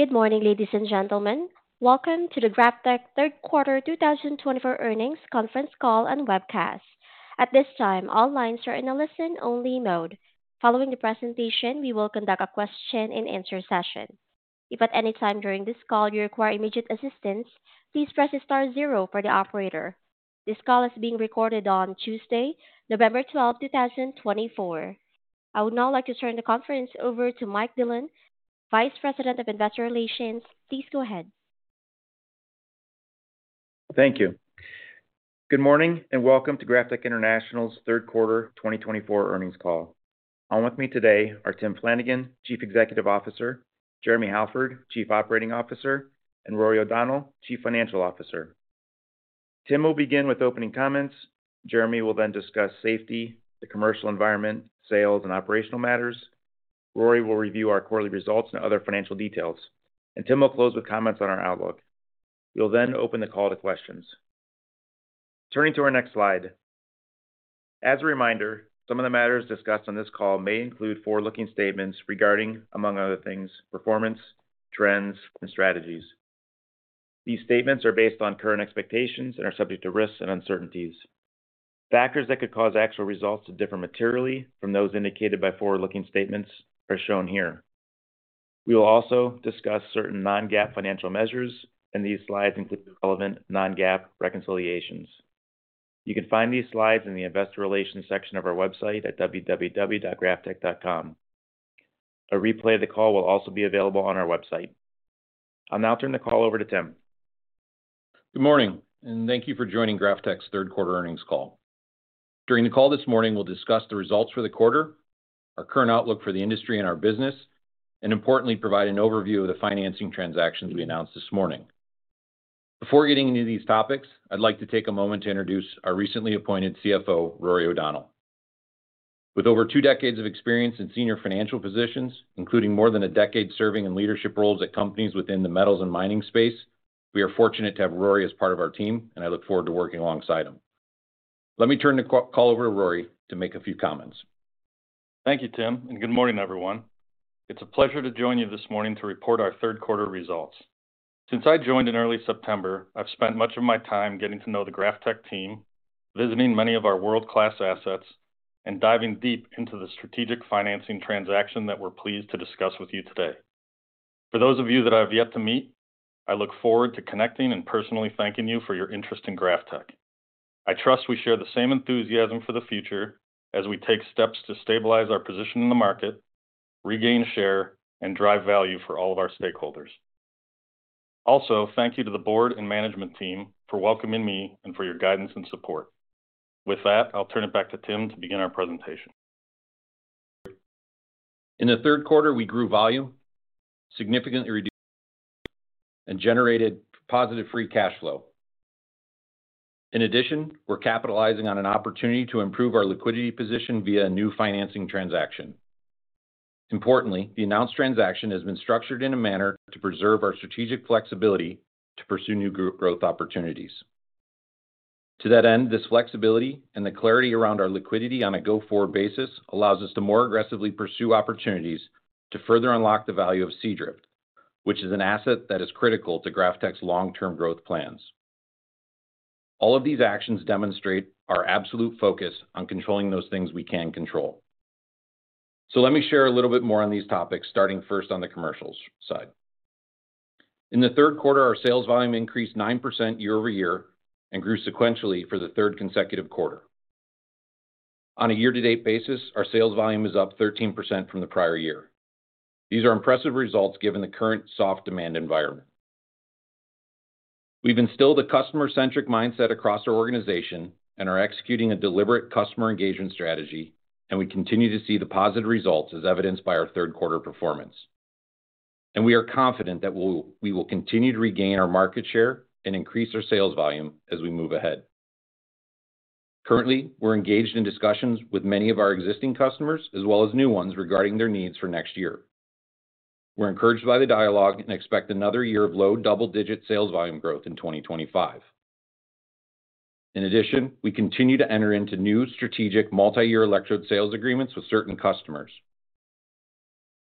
Good morning, ladies and gentlemen. Welcome to the GrafTech Q3 2024 earnings conference call and webcast. At this time, all lines are in a listen-only mode. Following the presentation, we will conduct a question-and-answer session. If at any time during this call you require immediate assistance, please press star zero for the operator. This call is being recorded on Tuesday, November 12, 2024. I would now like to turn the conference over to Mike Dillon, Vice President of Investor Relations. Please go ahead. Thank you. Good morning and welcome to GrafTech International's Q3 2024 earnings call. On with me today are Tim Flanagan, Chief Executive Officer, Jeremy Halford, Chief Operating Officer, and Rory O'Donnell, Chief Financial Officer. Tim will begin with opening comments, Jeremy will then discuss safety, the commercial environment, sales, and operational matters, Rory will review our quarterly results and other financial details, and Tim will close with comments on our outlook. We will then open the call to questions. Turning to our next slide. As a reminder, some of the matters discussed on this call may include forward-looking statements regarding, among other things, performance, trends, and strategies. These statements are based on current expectations and are subject to risks and uncertainties. Factors that could cause actual results to differ materially from those indicated by forward-looking statements are shown here. We will also discuss certain non-GAAP financial measures, and these slides include relevant non-GAAP reconciliations. You can find these slides in the Investor Relations section of our website at www.graftech.com. A replay of the call will also be available on our website. I'll now turn the call over to Tim. Good morning, and thank you for joining GrafTech's Q3 earnings call. During the call this morning, we'll discuss the results for the quarter, our current outlook for the industry and our business, and importantly, provide an overview of the financing transactions we announced this morning. Before getting into these topics, I'd like to take a moment to introduce our recently appointed CFO, Rory O'Donnell. With over two decades of experience in senior financial positions, including more than a decade serving in leadership roles at companies within the metals and mining space, we are fortunate to have Rory as part of our team, and I look forward to working alongside him. Let me turn the call over to Rory to make a few comments. Thank you, Tim, and good morning, everyone. It's a pleasure to join you this morning to report our Q3 results. Since I joined in early September, I've spent much of my time getting to know the GrafTech team, visiting many of our world-class assets, and diving deep into the strategic financing transaction that we're pleased to discuss with you today. For those of you that I have yet to meet, I look forward to connecting and personally thanking you for your interest in GrafTech. I trust we share the same enthusiasm for the future as we take steps to stabilize our position in the market, regain share, and drive value for all of our stakeholders. Also, thank you to the board and management team for welcoming me and for your guidance and support. With that, I'll turn it back to Tim to begin our presentation. In the Q3, we grew volume, significantly reduced volume, and generated positive free cash flow. In addition, we're capitalizing on an opportunity to improve our liquidity position via a new financing transaction. Importantly, the announced transaction has been structured in a manner to preserve our strategic flexibility to pursue new growth opportunities. To that end, this flexibility and the clarity around our liquidity on a go-forward basis allows us to more aggressively pursue opportunities to further unlock the value of Seadrift, which is an asset that is critical to GrafTech's long-term growth plans. All of these actions demonstrate our absolute focus on controlling those things we can control. So let me share a little bit more on these topics, starting first on the commercial side. In the Q3, our sales volume increased 9% year-over-year and grew sequentially for the third consecutive quarter. On a year-to-date basis, our sales volume is up 13% from the prior year. These are impressive results given the current soft demand environment. We've instilled a customer-centric mindset across our organization and are executing a deliberate customer engagement strategy, and we continue to see the positive results as evidenced by our Q3 performance, and we are confident that we will continue to regain our market share and increase our sales volume as we move ahead. Currently, we're engaged in discussions with many of our existing customers as well as new ones regarding their needs for next year. We're encouraged by the dialogue and expect another year of low double-digit sales volume growth in 2025. In addition, we continue to enter into new strategic multi-year electrode sales agreements with certain customers.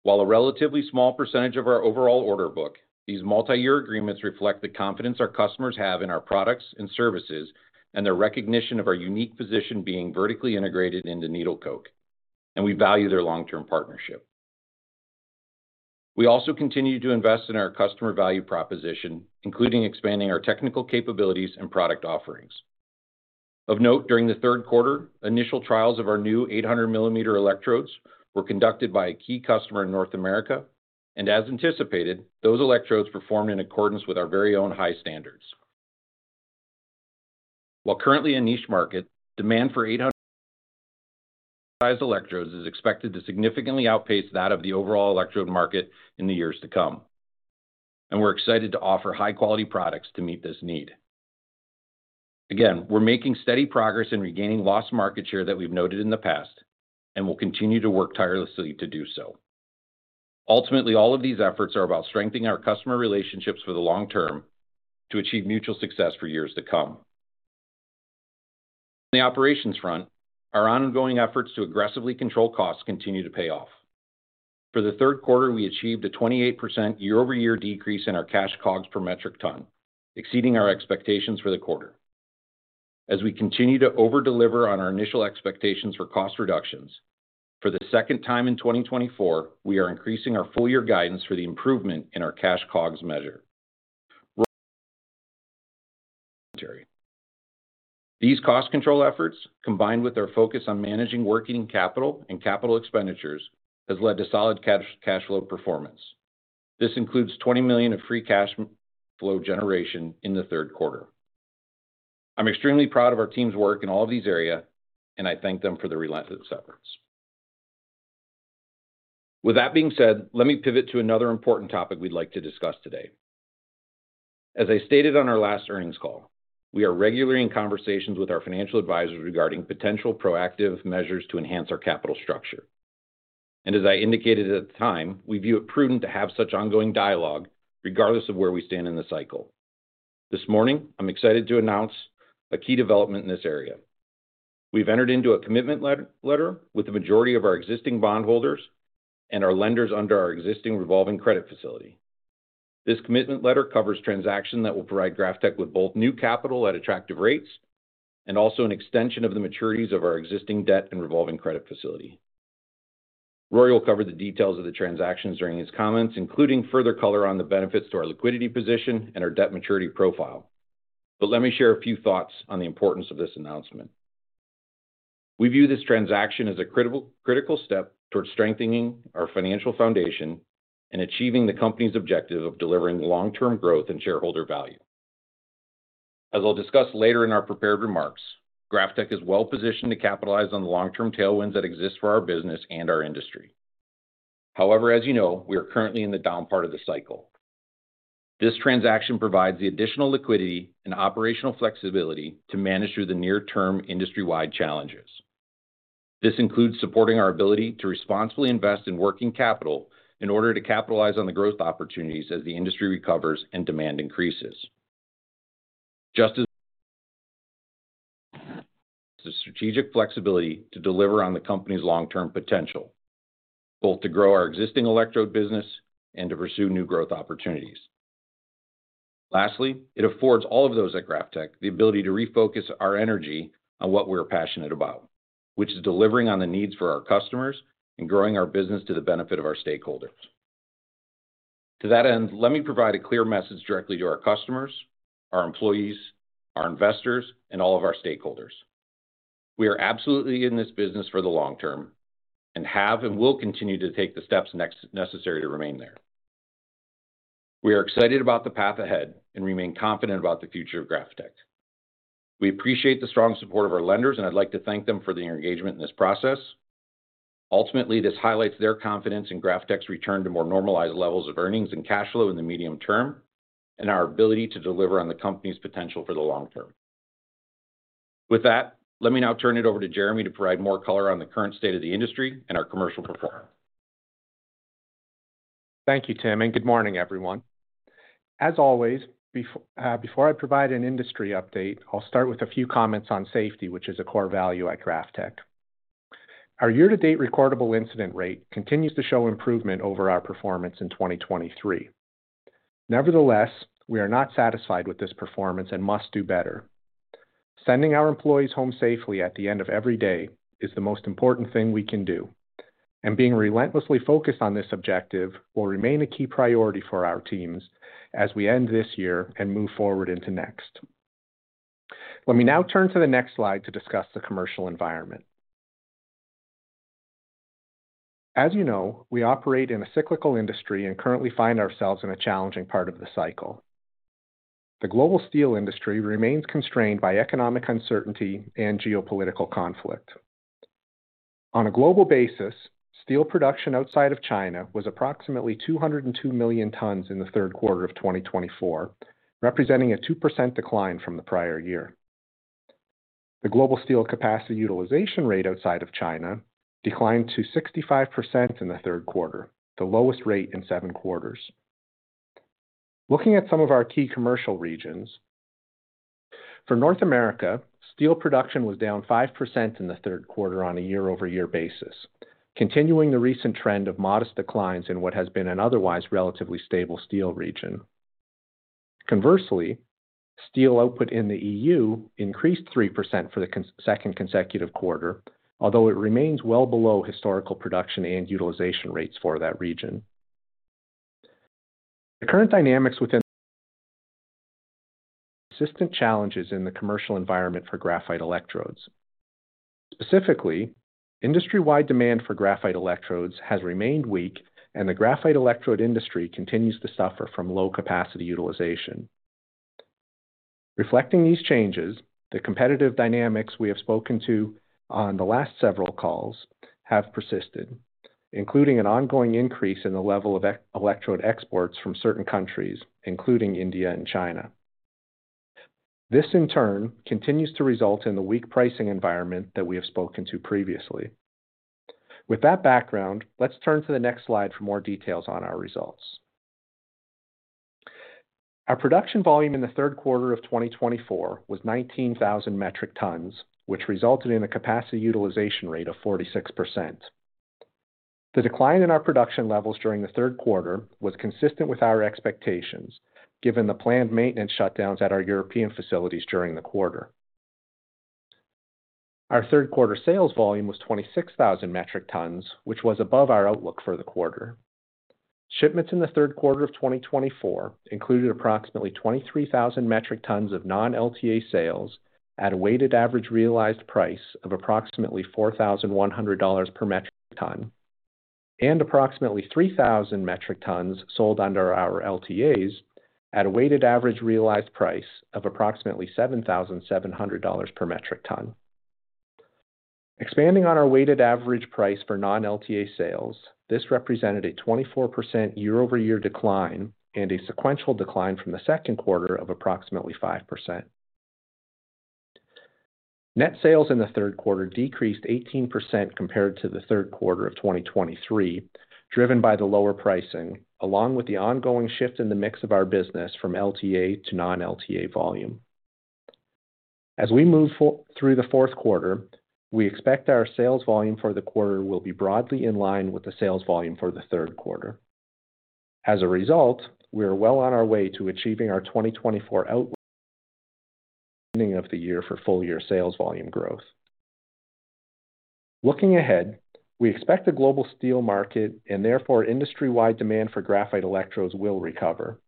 While a relatively small percentage of our overall order book, these multi-year agreements reflect the confidence our customers have in our products and services and their recognition of our unique position being vertically integrated into needle coke, and we value their long-term partnership. We also continue to invest in our customer value proposition, including expanding our technical capabilities and product offerings. Of note, during the Q3, initial trials of our new 800-millimeter electrodes were conducted by a key customer in North America, and as anticipated, those electrodes performed in accordance with our very own high standards. While currently a niche market, demand for 800-millimeter electrodes is expected to significantly outpace that of the overall electrode market in the years to come, and we're excited to offer high-quality products to meet this need. Again, we're making steady progress in regaining lost market share that we've noted in the past, and we'll continue to work tirelessly to do so. Ultimately, all of these efforts are about strengthening our customer relationships for the long term to achieve mutual success for years to come. On the operations front, our ongoing efforts to aggressively control costs continue to pay off. For the Q3, we achieved a 28% year-over-year decrease in our Cash COGS per metric ton, exceeding our expectations for the quarter. As we continue to overdeliver on our initial expectations for cost reductions, for the second time in 2024, we are increasing our full-year guidance for the improvement in our Cash COGS measure. These cost control efforts, combined with our focus on managing working capital and capital expenditures, have led to solid cash flow performance. This includes 20 million of free cash flow generation in the Q3. I'm extremely proud of our team's work in all of these areas, and I thank them for the relentless efforts. With that being said, let me pivot to another important topic we'd like to discuss today. As I stated on our last earnings call, we are regularly in conversations with our financial advisors regarding potential proactive measures to enhance our capital structure, and as I indicated at the time, we view it prudent to have such ongoing dialogue regardless of where we stand in the cycle. This morning, I'm excited to announce a key development in this area. We've entered into a commitment letter with the majority of our existing bondholders and our lenders under our existing revolving credit facility. This commitment letter covers transactions that will provide GrafTech with both new capital at attractive rates and also an extension of the maturities of our existing debt and revolving credit facility. Rory will cover the details of the transactions during his comments, including further color on the benefits to our liquidity position and our debt maturity profile. But let me share a few thoughts on the importance of this announcement. We view this transaction as a critical step towards strengthening our financial foundation and achieving the company's objective of delivering long-term growth and shareholder value. As I'll discuss later in our prepared remarks, GrafTech is well-positioned to capitalize on the long-term tailwinds that exist for our business and our industry. However, as you know, we are currently in the down part of the cycle. This transaction provides the additional liquidity and operational flexibility to manage through the near-term industry-wide challenges. This includes supporting our ability to responsibly invest in working capital in order to capitalize on the growth opportunities as the industry recovers and demand increases. Just as strategic flexibility to deliver on the company's long-term potential, both to grow our existing electrode business and to pursue new growth opportunities. Lastly, it affords all of those at GrafTech the ability to refocus our energy on what we're passionate about, which is delivering on the needs for our customers and growing our business to the benefit of our stakeholders. To that end, let me provide a clear message directly to our customers, our employees, our investors, and all of our stakeholders. We are absolutely in this business for the long term and have and will continue to take the steps necessary to remain there. We are excited about the path ahead and remain confident about the future of GrafTech. We appreciate the strong support of our lenders, and I'd like to thank them for their engagement in this process. Ultimately, this highlights their confidence in GrafTech's return to more normalized levels of earnings and cash flow in the medium term and our ability to deliver on the company's potential for the long term. With that, let me now turn it over to Jeremy to provide more color on the current state of the industry and our commercial performance. Thank you, Tim, and good morning, everyone. As always, before I provide an industry update, I'll start with a few comments on safety, which is a core value at GrafTech. Our year-to-date recordable incident rate continues to show improvement over our performance in 2023. Nevertheless, we are not satisfied with this performance and must do better. Sending our employees home safely at the end of every day is the most important thing we can do, and being relentlessly focused on this objective will remain a key priority for our teams as we end this year and move forward into next. Let me now turn to the next slide to discuss the commercial environment. As you know, we operate in a cyclical industry and currently find ourselves in a challenging part of the cycle. The global steel industry remains constrained by economic uncertainty and geopolitical conflict. On a global basis, steel production outside of China was approximately 202 million tons in the Q3 of 2024, representing a 2% decline from the prior year. The global steel capacity utilization rate outside of China declined to 65% in the Q3, the lowest rate in seven quarters. Looking at some of our key commercial regions, for North America, steel production was down 5% in the Q3 on a year-over-year basis, continuing the recent trend of modest declines in what has been an otherwise relatively stable steel region. Conversely, steel output in the EU increased 3% for the second consecutive quarter, although it remains well below historical production and utilization rates for that region. The current dynamics within consistent challenges in the commercial environment for graphite electrodes. Specifically, industry-wide demand for graphite electrodes has remained weak, and the graphite electrode industry continues to suffer from low capacity utilization. Reflecting these changes, the competitive dynamics we have spoken to on the last several calls have persisted, including an ongoing increase in the level of electrode exports from certain countries, including India and China. This, in turn, continues to result in the weak pricing environment that we have spoken to previously. With that background, let's turn to the next slide for more details on our results. Our production volume in the Q3 of 2024 was 19,000 metric tons, which resulted in a capacity utilization rate of 46%. The decline in our production levels during the Q3 was consistent with our expectations, given the planned maintenance shutdowns at our European facilities during the quarter. Our Q3 sales volume was 26,000 metric tons, which was above our outlook for the quarter. Shipments in the Q3 of 2024 included approximately 23,000 metric tons of non-LTA sales at a weighted average realized price of approximately $4,100 per metric ton, and approximately 3,000 metric tons sold under our LTAs at a weighted average realized price of approximately $7,700 per metric ton. Expanding on our weighted average price for non-LTA sales, this represented a 24% year-over-year decline and a sequential decline from the second quarter of approximately 5%. Net sales in the Q3 decreased 18% compared to the Q3 of 2023, driven by the lower pricing, along with the ongoing shift in the mix of our business from LTA to non-LTA volume. As we move through the Q4, we expect our sales volume for the quarter will be broadly in line with the sales volume for the Q3. As a result, we are well on our way to achieving our 2024 outlook for full-year sales volume growth. Looking ahead, we expect the global steel market and therefore industry-wide demand for graphite electrodes will recover,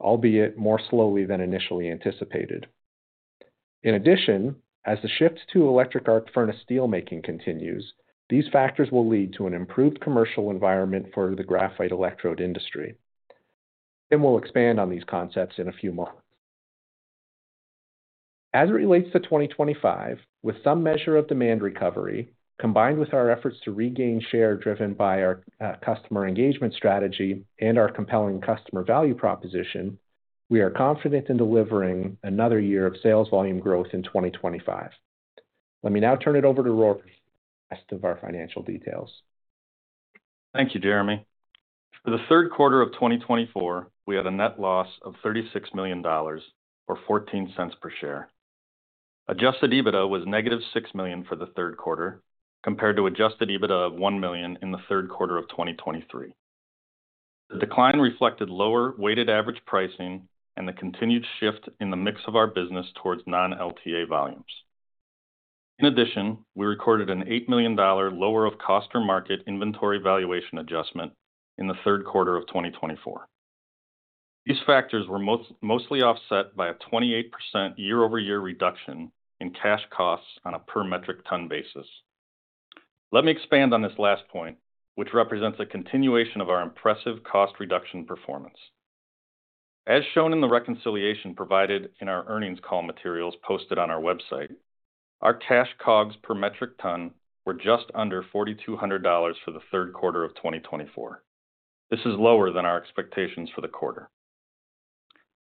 albeit more slowly than initially anticipated. In addition, as the shift to electric arc furnace steelmaking continues, these factors will lead to an improved commercial environment for the graphite electrode industry. Tim will expand on these concepts in a few moments. As it relates to 2025, with some measure of demand recovery combined with our efforts to regain share driven by our customer engagement strategy and our compelling customer value proposition, we are confident in delivering another year of sales volume growth in 2025. Let me now turn it over to Rory for the rest of our financial details. Thank you, Jeremy. For the Q3 of 2024, we had a net loss of $36 million, or 14 cents per share. Adjusted EBITDA was negative $6 million for the Q3, compared to adjusted EBITDA of $1 million in the Q3 of 2023. The decline reflected lower weighted average pricing and the continued shift in the mix of our business towards non-LTA volumes. In addition, we recorded an $8 million lower of cost or market inventory valuation adjustment in the Q3 of 2024. These factors were mostly offset by a 28% year-over-year reduction in cash costs on a per metric ton basis. Let me expand on this last point, which represents a continuation of our impressive cost reduction performance. As shown in the reconciliation provided in our earnings call materials posted on our website, our cash COGS per metric ton were just under $4,200 for the Q3 of 2024. This is lower than our expectations for the quarter.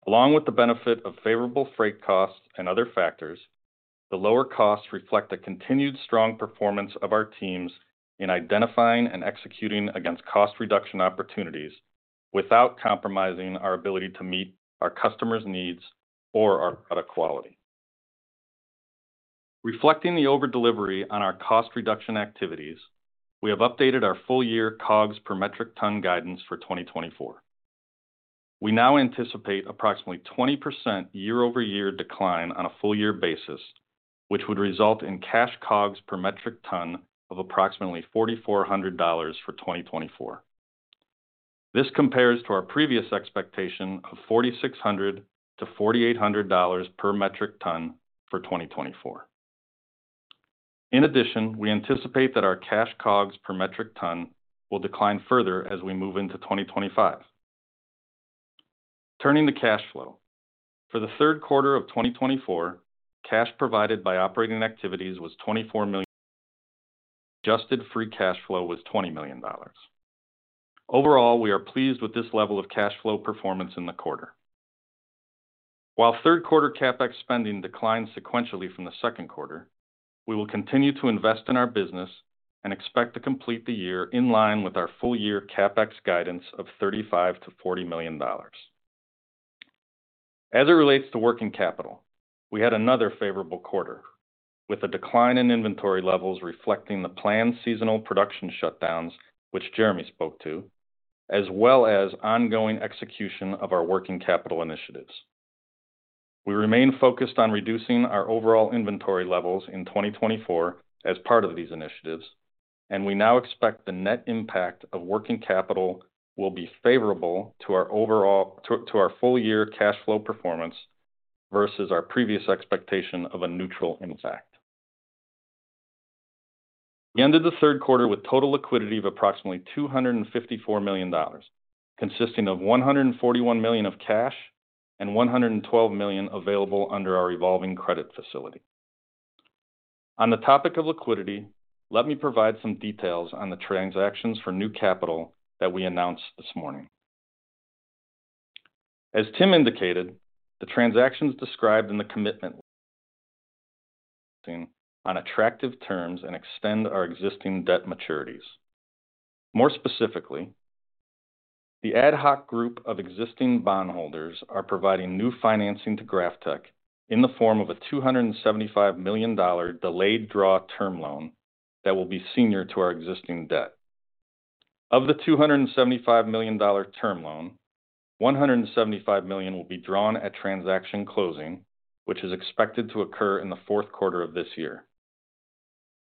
Along with the benefit of favorable freight costs and other factors, the lower costs reflect a continued strong performance of our teams in identifying and executing against cost reduction opportunities without compromising our ability to meet our customers' needs or our product quality. Reflecting the overdelivery on our cost reduction activities, we have updated our full-year COGS per metric ton guidance for 2024. We now anticipate approximately 20% year-over-year decline on a full-year basis, which would result in cash COGS per metric ton of approximately $4,400 for 2024. This compares to our previous expectation of $4,600-$4,800 per metric ton for 2024. In addition, we anticipate that our cash COGS per metric ton will decline further as we move into 2025. Turning to cash flow, for the Q3 of 2024, cash provided by operating activities was $24 million, and adjusted free cash flow was $20 million. Overall, we are pleased with this level of cash flow performance in the quarter. While Q3 CapEx spending declined sequentially from the second quarter, we will continue to invest in our business and expect to complete the year in line with our full-year CapEx guidance of $35-$40 million. As it relates to working capital, we had another favorable quarter, with a decline in inventory levels reflecting the planned seasonal production shutdowns, which Jeremy spoke to, as well as ongoing execution of our working capital initiatives. We remain focused on reducing our overall inventory levels in 2024 as part of these initiatives, and we now expect the net impact of working capital will be favorable to our full-year cash flow performance versus our previous expectation of a neutral impact. We ended the Q3 with total liquidity of approximately $254 million, consisting of $141 million of cash and $112 million available under our revolving credit facility. On the topic of liquidity, let me provide some details on the transactions for new capital that we announced this morning. As Tim indicated, the transactions described in the commitment on attractive terms and extend our existing debt maturities. More specifically, the ad hoc group of existing bondholders are providing new financing to GrafTech in the form of a $275 million delayed draw term loan that will be senior to our existing debt. Of the $275 million term loan, $175 million will be drawn at transaction closing, which is expected to occur in the Q4 of this year.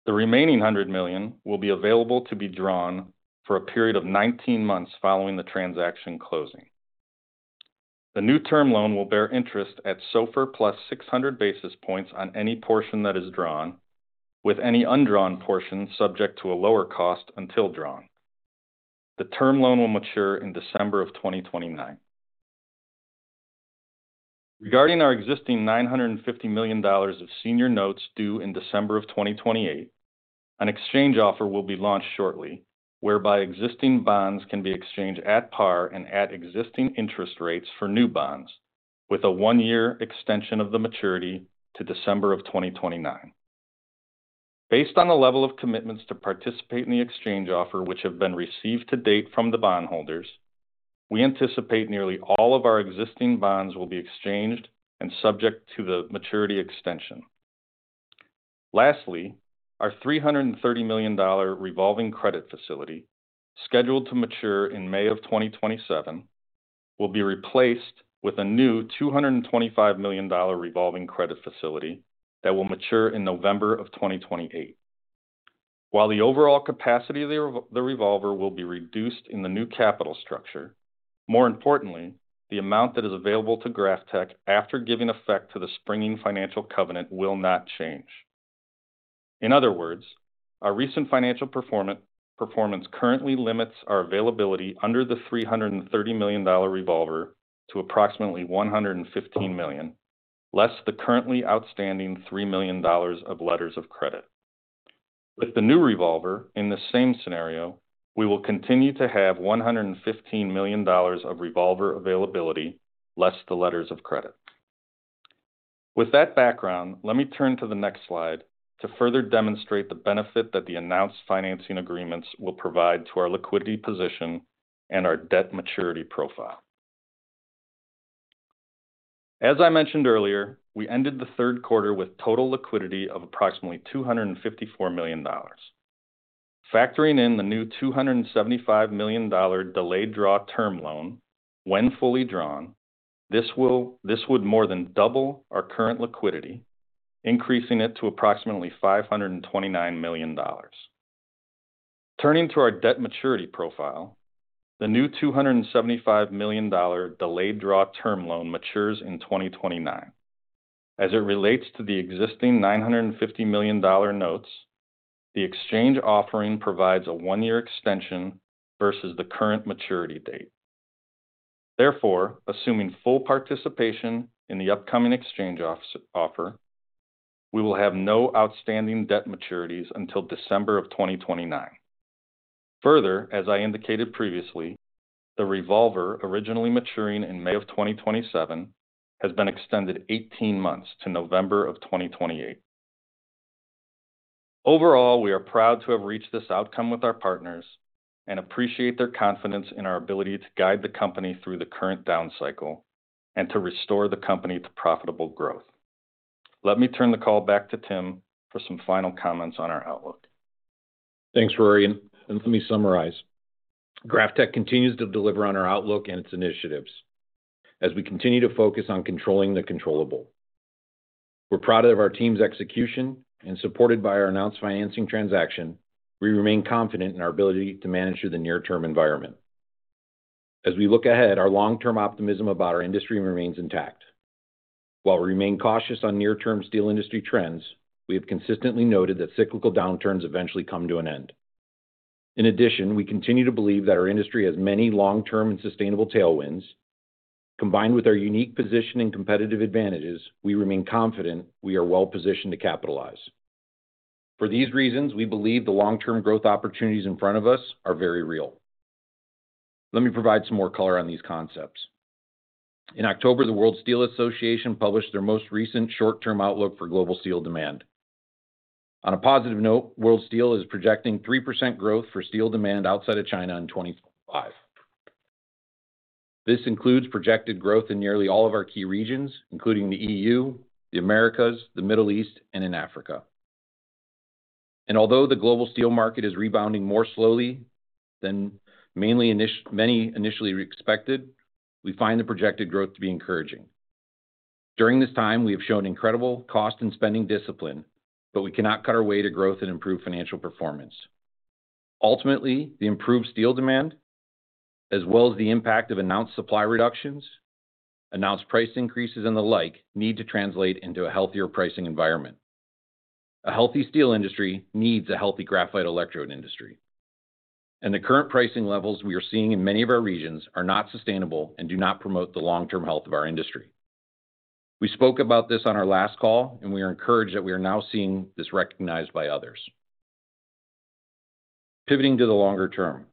The remaining $100 million will be available to be drawn for a period of 19 months following the transaction closing. The new term loan will bear interest at SOFR plus 600 basis points on any portion that is drawn, with any undrawn portion subject to a lower cost until drawn. The term loan will mature in December of 2029. Regarding our existing $950 million of senior notes due in December of 2028, an exchange offer will be launched shortly, whereby existing bonds can be exchanged at par and at existing interest rates for new bonds, with a one-year extension of the maturity to December of 2029. Based on the level of commitments to participate in the exchange offer, which have been received to date from the bondholders, we anticipate nearly all of our existing bonds will be exchanged and subject to the maturity extension. Lastly, our $330 million revolving credit facility, scheduled to mature in May of 2027, will be replaced with a new $225 million revolving credit facility that will mature in November of 2028. While the overall capacity of the revolver will be reduced in the new capital structure, more importantly, the amount that is available to GrafTech after giving effect to the springing financial covenant will not change. In other words, our recent financial performance currently limits our availability under the $330 million revolver to approximately $115 million, less the currently outstanding $3 million of letters of credit. With the new revolver in the same scenario, we will continue to have $115 million of revolver availability, less the letters of credit. With that background, let me turn to the next slide to further demonstrate the benefit that the announced financing agreements will provide to our liquidity position and our debt maturity profile. As I mentioned earlier, we ended the Q3 with total liquidity of approximately $254 million. Factoring in the new $275 million delayed draw term loan, when fully drawn, this would more than double our current liquidity, increasing it to approximately $529 million. Turning to our debt maturity profile, the new $275 million delayed draw term loan matures in 2029. As it relates to the existing $950 million notes, the exchange offering provides a one-year extension versus the current maturity date. Therefore, assuming full participation in the upcoming exchange offer, we will have no outstanding debt maturities until December of 2029. Further, as I indicated previously, the revolver, originally maturing in May of 2027, has been extended 18 months to November of 2028. Overall, we are proud to have reached this outcome with our partners and appreciate their confidence in our ability to guide the company through the current down cycle and to restore the company to profitable growth. Let me turn the call back to Tim for some final comments on our outlook. Thanks, Rory. And let me summarize. GrafTech continues to deliver on our outlook and its initiatives as we continue to focus on controlling the controllable. We're proud of our team's execution and, supported by our announced financing transaction, we remain confident in our ability to manage through the near-term environment. As we look ahead, our long-term optimism about our industry remains intact. While we remain cautious on near-term steel industry trends, we have consistently noted that cyclical downturns eventually come to an end. In addition, we continue to believe that our industry has many long-term and sustainable tailwinds. Combined with our unique position and competitive advantages, we remain confident we are well-positioned to capitalize. For these reasons, we believe the long-term growth opportunities in front of us are very real. Let me provide some more color on these concepts. In October, the World Steel Association published their most recent short-term outlook for global steel demand. On a positive note, World Steel is projecting 3% growth for steel demand outside of China in 2025. This includes projected growth in nearly all of our key regions, including the EU, the Americas, the Middle East, and in Africa, and although the global steel market is rebounding more slowly than many initially expected, we find the projected growth to be encouraging. During this time, we have shown incredible cost and spending discipline, but we cannot cut our way to growth and improved financial performance. Ultimately, the improved steel demand, as well as the impact of announced supply reductions, announced price increases, and the like, need to translate into a healthier pricing environment. A healthy steel industry needs a healthy graphite electrode industry. The current pricing levels we are seeing in many of our regions are not sustainable and do not promote the long-term health of our industry. We spoke about this on our last call, and we are encouraged that we are now seeing this recognized by others. Pivoting to the longer term,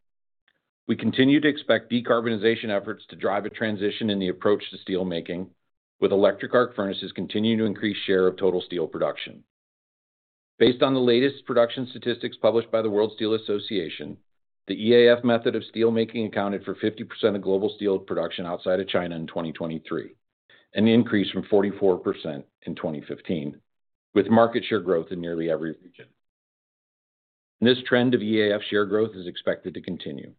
we continue to expect decarbonization efforts to drive a transition in the approach to steelmaking, with electric arc furnaces continuing to increase share of total steel production. Based on the latest production statistics published by the World Steel Association, the EAF method of steelmaking accounted for 50% of global steel production outside of China in 2023, an increase from 44% in 2015, with market share growth in nearly every region. This trend of EAF share growth is expected to continue.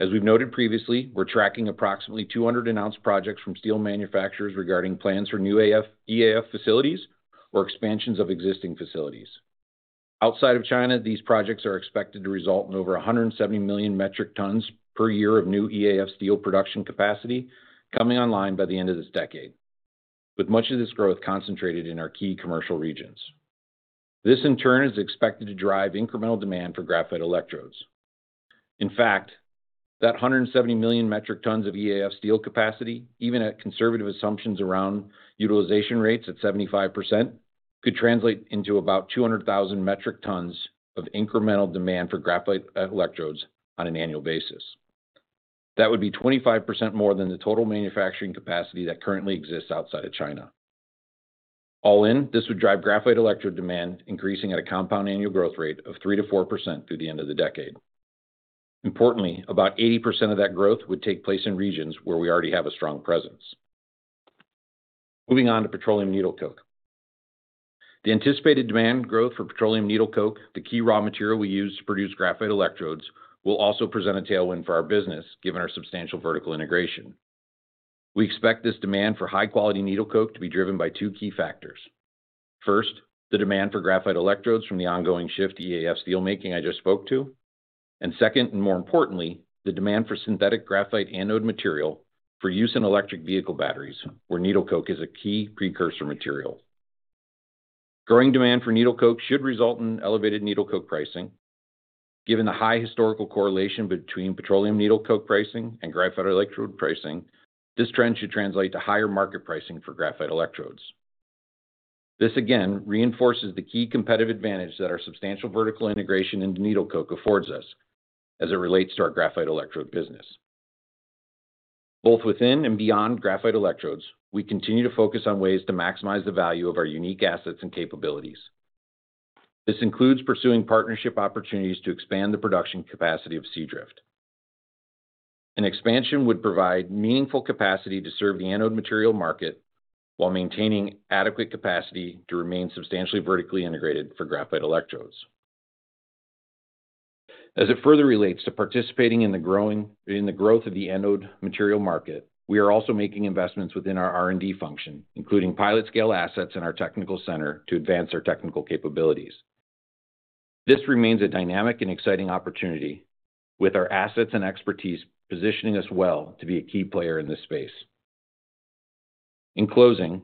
As we've noted previously, we're tracking approximately 200 announced projects from steel manufacturers regarding plans for new EAF facilities or expansions of existing facilities. Outside of China, these projects are expected to result in over 170 million metric tons per year of new EAF steel production capacity coming online by the end of this decade, with much of this growth concentrated in our key commercial regions. This, in turn, is expected to drive incremental demand for graphite electrodes. In fact, that 170 million metric tons of EAF steel capacity, even at conservative assumptions around utilization rates at 75%, could translate into about 200,000 metric tons of incremental demand for graphite electrodes on an annual basis. That would be 25% more than the total manufacturing capacity that currently exists outside of China. All in, this would drive graphite electrode demand increasing at a compound annual growth rate of 3%-4% through the end of the decade. Importantly, about 80% of that growth would take place in regions where we already have a strong presence. Moving on to petroleum needle coke. The anticipated demand growth for petroleum needle coke, the key raw material we use to produce graphite electrodes, will also present a tailwind for our business, given our substantial vertical integration. We expect this demand for high-quality needle coke to be driven by two key factors. First, the demand for graphite electrodes from the ongoing shift to EAF steelmaking I just spoke to, and second, and more importantly, the demand for synthetic graphite anode material for use in electric vehicle batteries, where needle coke is a key precursor material. Growing demand for needle coke should result in elevated needle coke pricing. Given the high historical correlation between petroleum needle coke pricing and graphite electrode pricing, this trend should translate to higher market pricing for graphite electrodes. This, again, reinforces the key competitive advantage that our substantial vertical integration into needle coke affords us as it relates to our graphite electrode business. Both within and beyond graphite electrodes, we continue to focus on ways to maximize the value of our unique assets and capabilities. This includes pursuing partnership opportunities to expand the production capacity of Seadrift. An expansion would provide meaningful capacity to serve the anode material market while maintaining adequate capacity to remain substantially vertically integrated for graphite electrodes. As it further relates to participating in the growth of the anode material market, we are also making investments within our R&D function, including pilot-scale assets in our technical center to advance our technical capabilities. This remains a dynamic and exciting opportunity, with our assets and expertise positioning us well to be a key player in this space. In closing,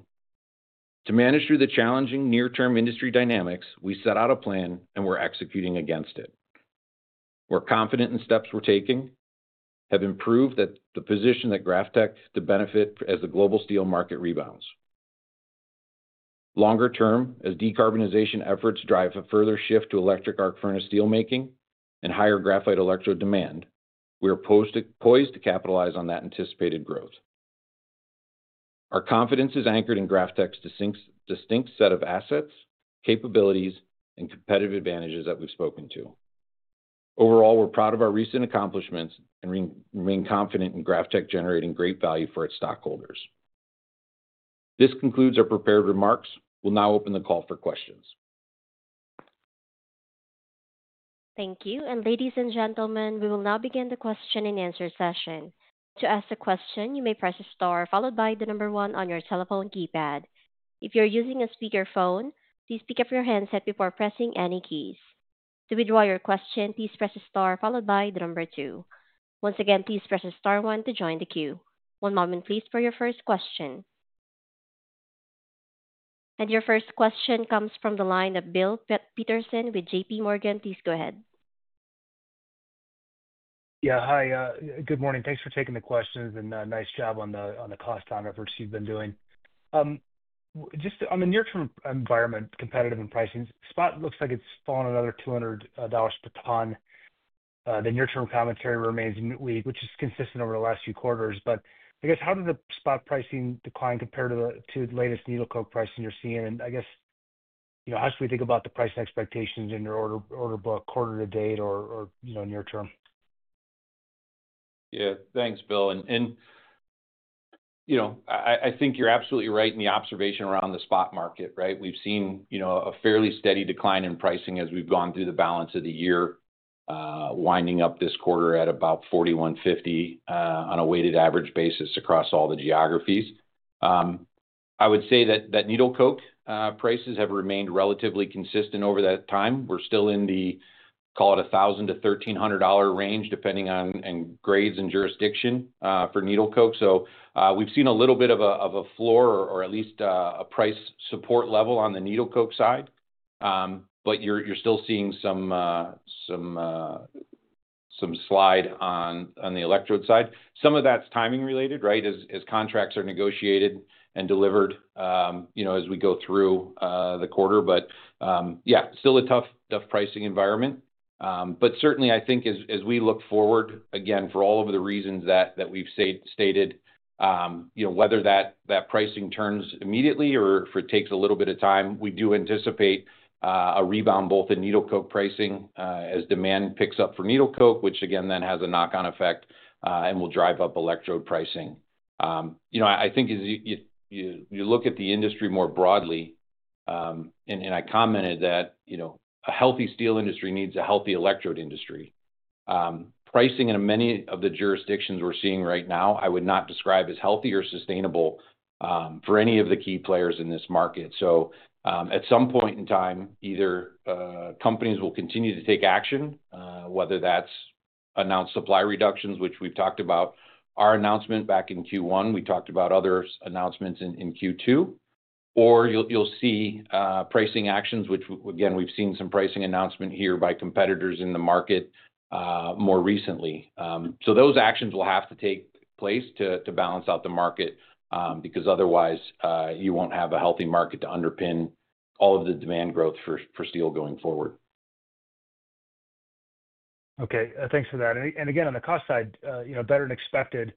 to manage through the challenging near-term industry dynamics, we set out a plan and we're executing against it. We're confident in steps we're taking, have improved the position that GrafTech could benefit as the global steel market rebounds. Longer term, as decarbonization efforts drive a further shift to electric arc furnace steelmaking and higher graphite electrode demand, we are poised to capitalize on that anticipated growth. Our confidence is anchored in GrafTech's distinct set of assets, capabilities, and competitive advantages that we've spoken to. Overall, we're proud of our recent accomplishments and remain confident in GrafTech generating great value for its stockholders. This concludes our prepared remarks. We'll now open the call for questions. Thank you. And ladies and gentlemen, we will now begin the question and answer session. To ask a question, you may press a star followed by the number one on your telephone keypad. If you're using a speakerphone, please pick up your handset before pressing any keys. To withdraw your question, please press a star followed by the number two. Once again, please press a star one to join the queue. One moment, please, for your first question. And your first question comes from the line of Bill Peterson with JPMorgan. Please go ahead. Yeah. Hi. Good morning. Thanks for taking the questions and nice job on the cost control efforts you've been doing. Just on the near-term environment, competitive and pricing, spot looks like it's fallen another $200 per ton. The near-term commentary remains weak, which is consistent over the last few quarters. But I guess, how did the spot pricing decline compare to the latest needle coke pricing you're seeing? And I guess, how should we think about the price expectations in your order book, quarter to date or near-term? Yeah. Thanks, Bill. And I think you're absolutely right in the observation around the spot market, right? We've seen a fairly steady decline in pricing as we've gone through the balance of the year, winding up this quarter at about $41.50 on a weighted average basis across all the geographies. I would say that needle coke prices have remained relatively consistent over that time. We're still in the, call it, $1,000-$1,300 range, depending on grades and jurisdiction for needle coke. So we've seen a little bit of a floor or at least a price support level on the needle coke side, but you're still seeing some slide on the electrode side. Some of that's timing related, right, as contracts are negotiated and delivered as we go through the quarter. But yeah, still a tough pricing environment. But certainly, I think as we look forward, again, for all of the reasons that we've stated, whether that pricing turns immediately or if it takes a little bit of time, we do anticipate a rebound both in needle coke pricing as demand picks up for needle coke, which again then has a knock-on effect and will drive up electrode pricing. I think as you look at the industry more broadly, and I commented that a healthy steel industry needs a healthy electrode industry. Pricing in many of the jurisdictions we're seeing right now, I would not describe as healthy or sustainable for any of the key players in this market. So at some point in time, either companies will continue to take action, whether that's announced supply reductions, which we've talked about our announcement back in Q1. We talked about other announcements in Q2, or you'll see pricing actions, which again, we've seen some pricing announcement here by competitors in the market more recently, so those actions will have to take place to balance out the market because otherwise, you won't have a healthy market to underpin all of the demand growth for steel going forward. Okay. Thanks for that. And again, on the cost side, better than expected,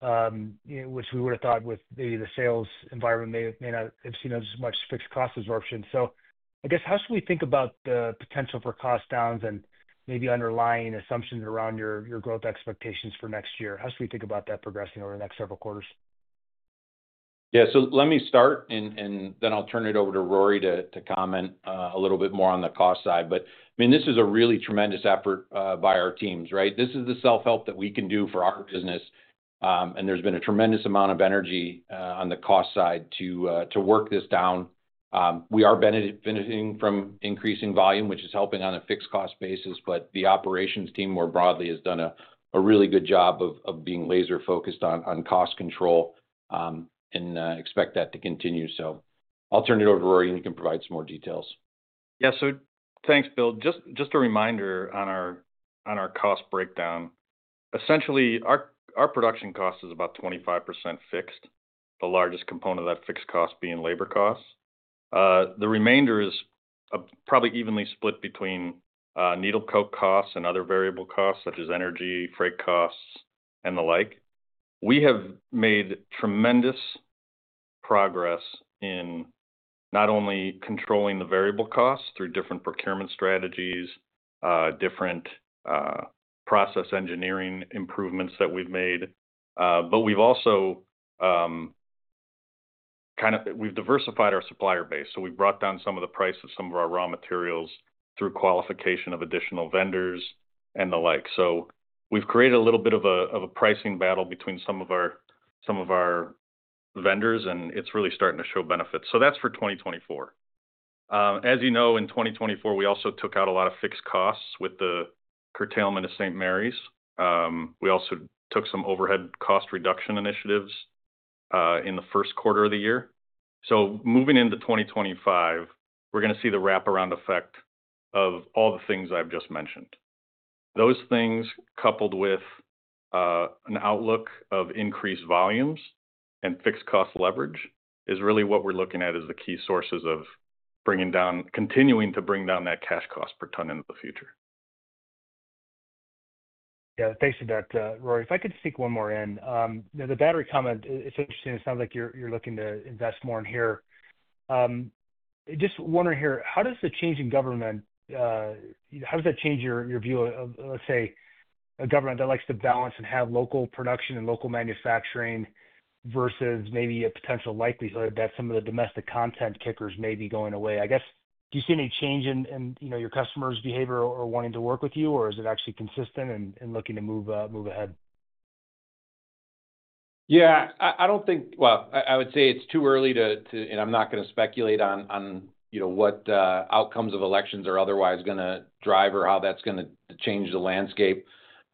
which we would have thought with maybe the sales environment may not have seen as much fixed cost absorption. So I guess, how should we think about the potential for cost downs and maybe underlying assumptions around your growth expectations for next year? How should we think about that progressing over the next several quarters? Yeah. So let me start, and then I'll turn it over to Rory to comment a little bit more on the cost side. But I mean, this is a really tremendous effort by our teams, right? This is the self-help that we can do for our business. And there's been a tremendous amount of energy on the cost side to work this down. We are benefiting from increasing volume, which is helping on a fixed cost basis. But the operations team more broadly has done a really good job of being laser-focused on cost control and expect that to continue. So I'll turn it over to Rory and he can provide some more details. Yeah. So thanks, Bill. Just a reminder on our cost breakdown. Essentially, our production cost is about 25% fixed, the largest component of that fixed cost being labor costs. The remainder is probably evenly split between needle coke costs and other variable costs such as energy, freight costs, and the like. We have made tremendous progress in not only controlling the variable costs through different procurement strategies, different process engineering improvements that we've made, but we've also kind of diversified our supplier base. So we've brought down some of the price of some of our raw materials through qualification of additional vendors and the like. So we've created a little bit of a pricing battle between some of our vendors, and it's really starting to show benefits. So that's for 2024. As you know, in 2024, we also took out a lot of fixed costs with the curtailment of St. Marys. Marys. We also took some overhead cost reduction initiatives in the first quarter of the year. So moving into 2025, we're going to see the wraparound effect of all the things I've just mentioned. Those things, coupled with an outlook of increased volumes and fixed cost leverage, is really what we're looking at as the key sources of continuing to bring down that cash cost per ton into the future. Yeah. Thanks for that, Rory. If I could sneak one more in. The battery comment, it's interesting. It sounds like you're looking to invest more in here. Just wondering here, how does the change in government, how does that change your view of, let's say, a government that likes to balance and have local production and local manufacturing versus maybe a potential likelihood that some of the domestic content kickers may be going away? I guess, do you see any change in your customers' behavior or wanting to work with you, or is it actually consistent in looking to move ahead? Yeah. I don't think, well, I would say it's too early to, and I'm not going to speculate on what outcomes of elections are otherwise going to drive or how that's going to change the landscape.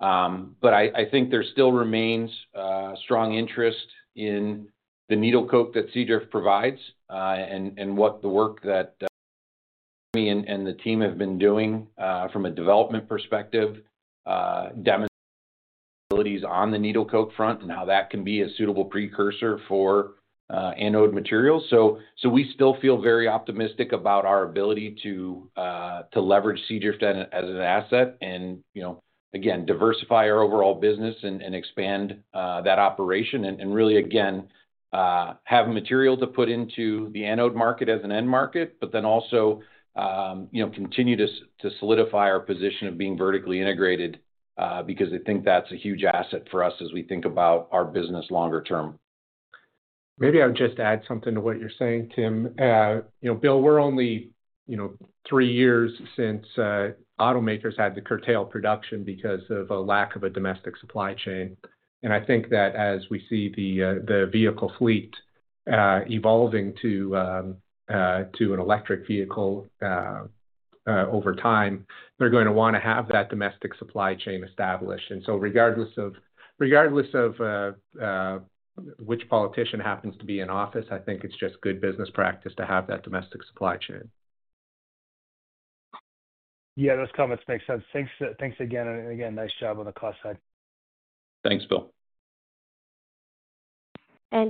But I think there still remains strong interest in the needle coke that Seadrift provides and what the work that me and the team have been doing from a development perspective, demonstrabilities on the needle coke front, and how that can be a suitable precursor for anode materials. So we still feel very optimistic about our ability to leverage Seadrift as an asset and, again, diversify our overall business and expand that operation and really, again, have material to put into the anode market as an end market, but then also continue to solidify our position of being vertically integrated because I think that's a huge asset for us as we think about our business longer term. Maybe Iwould just add something to what you're saying, Tim. Bill, we're only three years since automakers had to curtail production because of a lack of a domestic supply chain. And I think that as we see the vehicle fleet evolving to an electric vehicle over time, they're going to want to have that domestic supply chain established. And so regardless of which politician happens to be in office, I think it's just good business practice to have that domestic supply chain. Yeah. Those comments make sense. Thanks again. And again, nice job on the cost side. Thanks, Bill.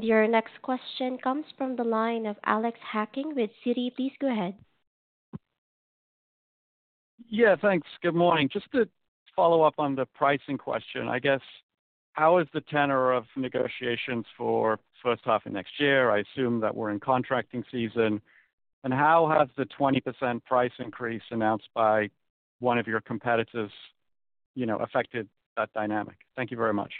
Your next question comes from the line of Alex Hacking with Citigroup. Please go ahead. Yeah. Thanks. Good morning. Just to follow up on the pricing question, I guess, how is the tenor of negotiations for first half of next year? I assume that we're in contracting season. And how has the 20% price increase announced by one of your competitors affected that dynamic? Thank you very much.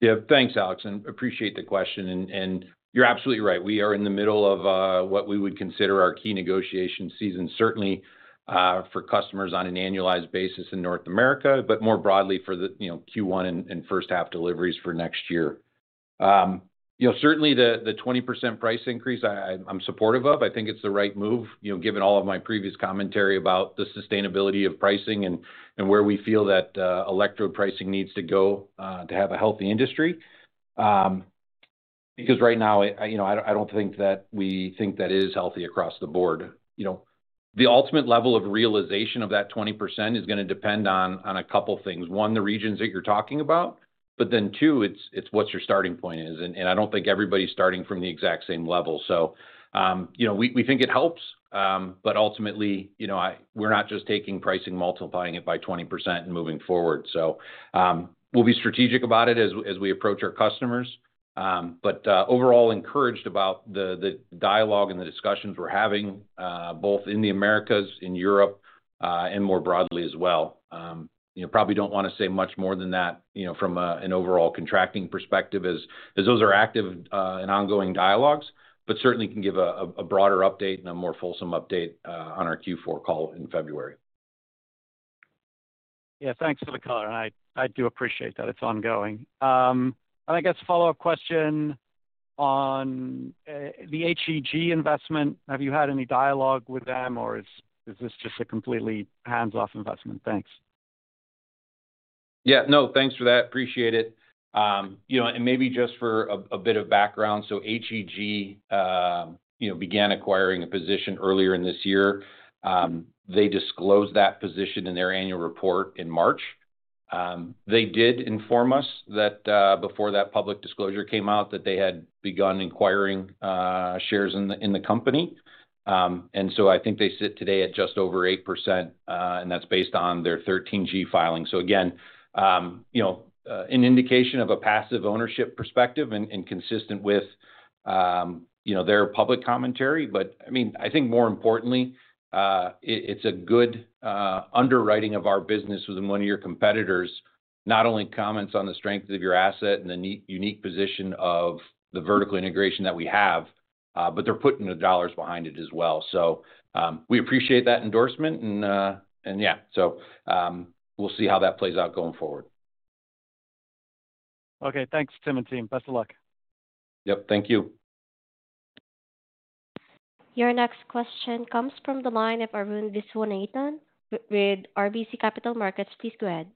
Yeah. Thanks, Alex. And appreciate the question. And you're absolutely right. We are in the middle of what we would consider our key negotiation season, certainly for customers on an annualized basis in North America, but more broadly for the Q1 and first half deliveries for next year. Certainly, the 20% price increase, I'm supportive of. I think it's the right move, given all of my previous commentary about the sustainability of pricing and where we feel that electrode pricing needs to go to have a healthy industry. Because right now, I don't think that we think that is healthy across the board. The ultimate level of realization of that 20% is going to depend on a couple of things. One, the regions that you're talking about, but then two, it's what your starting point is. And I don't think everybody's starting from the exact same level. So we think it helps, but ultimately, we're not just taking pricing, multiplying it by 20% and moving forward. So we'll be strategic about it as we approach our customers, but overall, encouraged about the dialogue and the discussions we're having both in the Americas, in Europe, and more broadly as well. Probably don't want to say much more than that from an overall contracting perspective as those are active and ongoing dialogues, but certainly can give a broader update and a more fulsome update on our Q4 call in February. Yeah. Thanks for the color. And I do appreciate that it's ongoing. And I guess follow-up question on the HEG investment. Have you had any dialogue with them, or is this just a completely hands-off investment? Thanks. Yeah. No. Thanks for that. Appreciate it. And maybe just for a bit of background, so HEG began acquiring a position earlier in this year. They disclosed that position in their annual report in March. They did inform us that before that public disclosure came out that they had begun acquiring shares in the company. And so I think they sit today at just over 8%, and that's based on their 13G filing. So again, an indication of a passive ownership perspective and consistent with their public commentary. But I mean, I think more importantly, it's a good underwriting of our business with one of your competitors not only comments on the strength of your asset and the unique position of the vertical integration that we have, but they're putting the dollars behind it as well. So we appreciate that endorsement. Yeah, so we'll see how that plays out going forward. Okay. Thanks, Tim and team. Best of luck. Yep. Thank you. Your next question comes from the line of Arun Viswanathan with RBC Capital Markets. Please go ahead.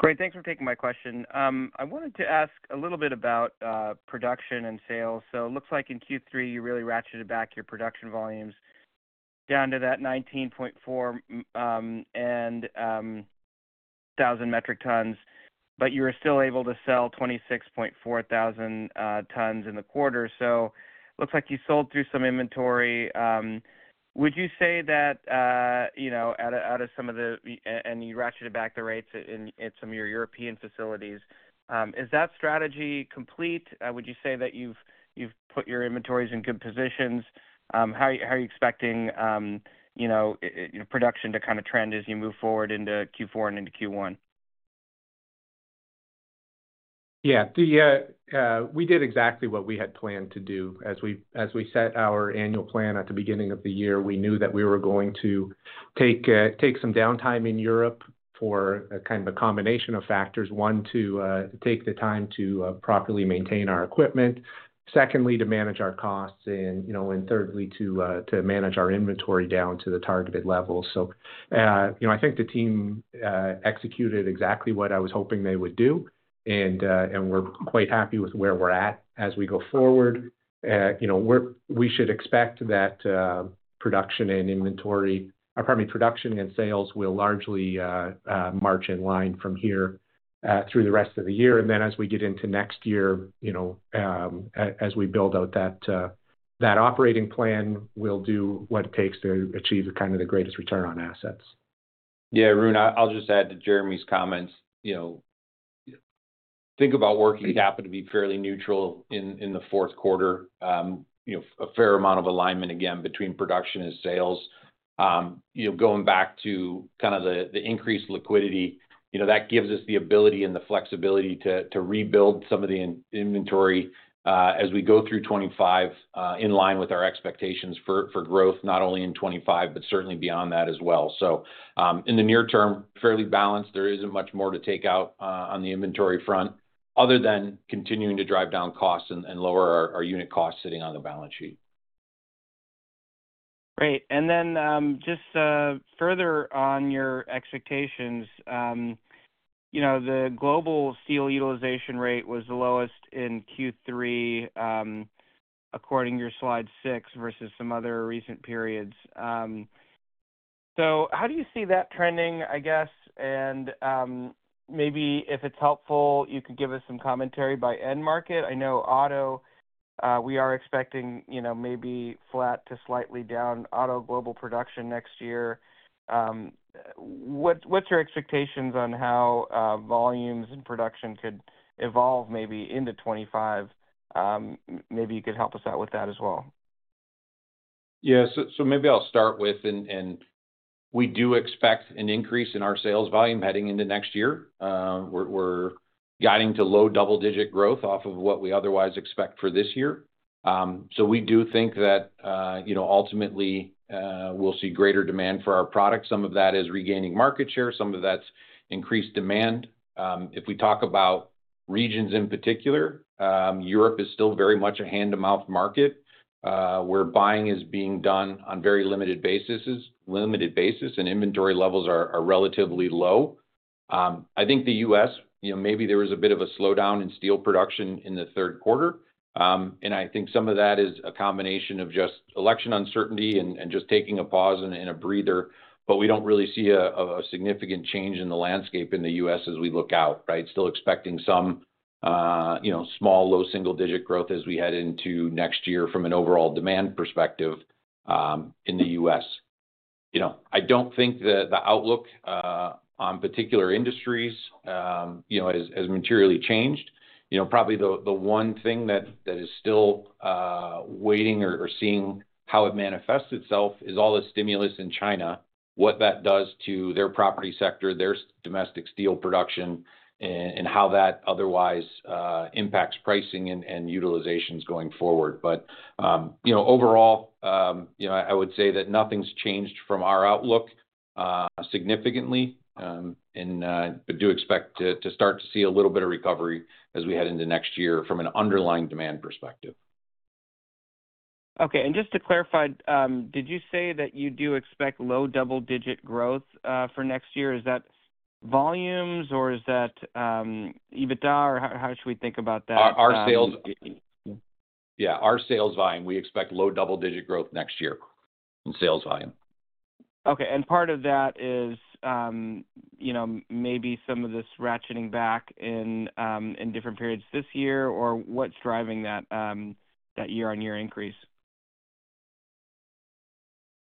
Great. Thanks for taking my question. I wanted to ask a little bit about production and sales. So it looks like in Q3, you really ratcheted back your production volumes down to that 19.4 thousand metric tons, but you were still able to sell 26.4 thousand tons in the quarter. So it looks like you sold through some inventory. Would you say that you ratcheted back the rates in some of your European facilities? Is that strategy complete? Would you say that you've put your inventories in good positions? How are you expecting production to kind of trend as you move forward into Q4 and into Q1? Yeah. We did exactly what we had planned to do. As we set our annual plan at the beginning of the year, we knew that we were going to take some downtime in Europe for kind of a combination of factors. One, to take the time to properly maintain our equipment. Secondly, to manage our costs. And thirdly, to manage our inventory down to the targeted levels. So I think the team executed exactly what I was hoping they would do, and we're quite happy with where we're at as we go forward. We should expect that production and inventory, pardon me, production and sales, will largely march in line from here through the rest of the year, and then as we get into next year, as we build out that operating plan, we'll do what it takes to achieve kind of the greatest return on assets. Yeah. Arun, I'll just add to Jeremy's comments. Think about working capital to be fairly neutral in the fourth quarter, a fair amount of alignment again between production and sales. Going back to kind of the increased liquidity, that gives us the ability and the flexibility to rebuild some of the inventory as we go through 2025 in line with our expectations for growth, not only in 2025, but certainly beyond that as well. So in the near term, fairly balanced. There isn't much more to take out on the inventory front other than continuing to drive down costs and lower our unit costs sitting on the balance sheet. Great. And then just further on your expectations, the global steel utilization rate was the lowest in Q3 according to your slide six versus some other recent periods. So how do you see that trending, I guess? And maybe if it's helpful, you could give us some commentary by end market. I know auto, we are expecting maybe flat to slightly down auto global production next year. What's your expectations on how volumes and production could evolve maybe into 2025? Maybe you could help us out with that as well. Yeah. So maybe I'll start with, and we do expect an increase in our sales volume heading into next year. We're guiding to low double-digit growth off of what we otherwise expect for this year. So we do think that ultimately, we'll see greater demand for our products. Some of that is regaining market share. Some of that's increased demand. If we talk about regions in particular, Europe is still very much a hand-to-mouth market. Where buying is being done on very limited basis and inventory levels are relatively low. I think the U.S., maybe there was a bit of a slowdown in steel production in the third quarter. And I think some of that is a combination of just election uncertainty and just taking a pause and a breather, but we don't really see a significant change in the landscape in the U.S. as we look out, right? Still expecting some small, low single-digit growth as we head into next year from an overall demand perspective in the U.S. I don't think that the outlook on particular industries has materially changed. Probably the one thing that is still waiting or seeing how it manifests itself is all the stimulus in China, what that does to their property sector, their domestic steel production, and how that otherwise impacts pricing and utilizations going forward. But overall, I would say that nothing's changed from our outlook significantly, but do expect to start to see a little bit of recovery as we head into next year from an underlying demand perspective. Okay. And just to clarify, did you say that you do expect low double-digit growth for next year? Is that volumes, or is that EBITDA, or how should we think about that? Our sales. Yeah. Our sales volume, we expect low double-digit growth next year in sales volume. Okay. And part of that is maybe some of this ratcheting back in different periods this year, or what's driving that year-on-year increase?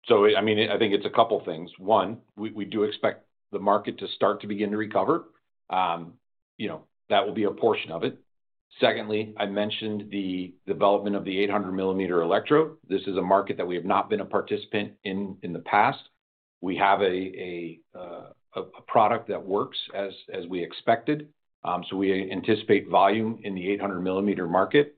So I mean, I think it's a couple of things. One, we do expect the market to start to begin to recover. That will be a portion of it. Secondly, I mentioned the development of the 800-millimeter electrode. This is a market that we have not been a participant in in the past. We have a product that works as we expected. So we anticipate volume in the 800-millimeter market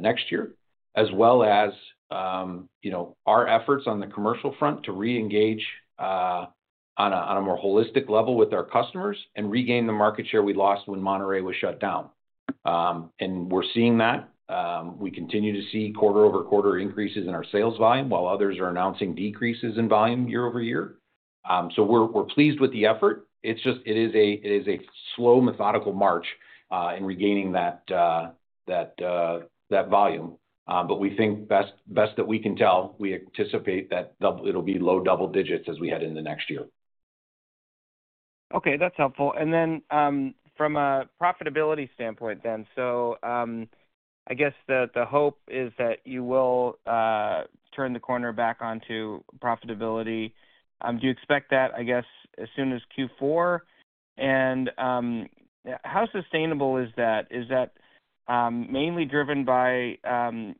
next year, as well as our efforts on the commercial front to reengage on a more holistic level with our customers and regain the market share we lost when Monterrey was shut down. And we're seeing that. We continue to see quarter-over-quarter increases in our sales volume while others are announcing decreases in volume year-over-year. So we're pleased with the effort. It is a slow methodical march in regaining that volume. But we think best that we can tell, we anticipate that it'll be low double digits as we head into next year. Okay. That's helpful. And then from a profitability standpoint then, so I guess the hope is that you will turn the corner back onto profitability. Do you expect that, I guess, as soon as Q4? And how sustainable is that? Is that mainly driven by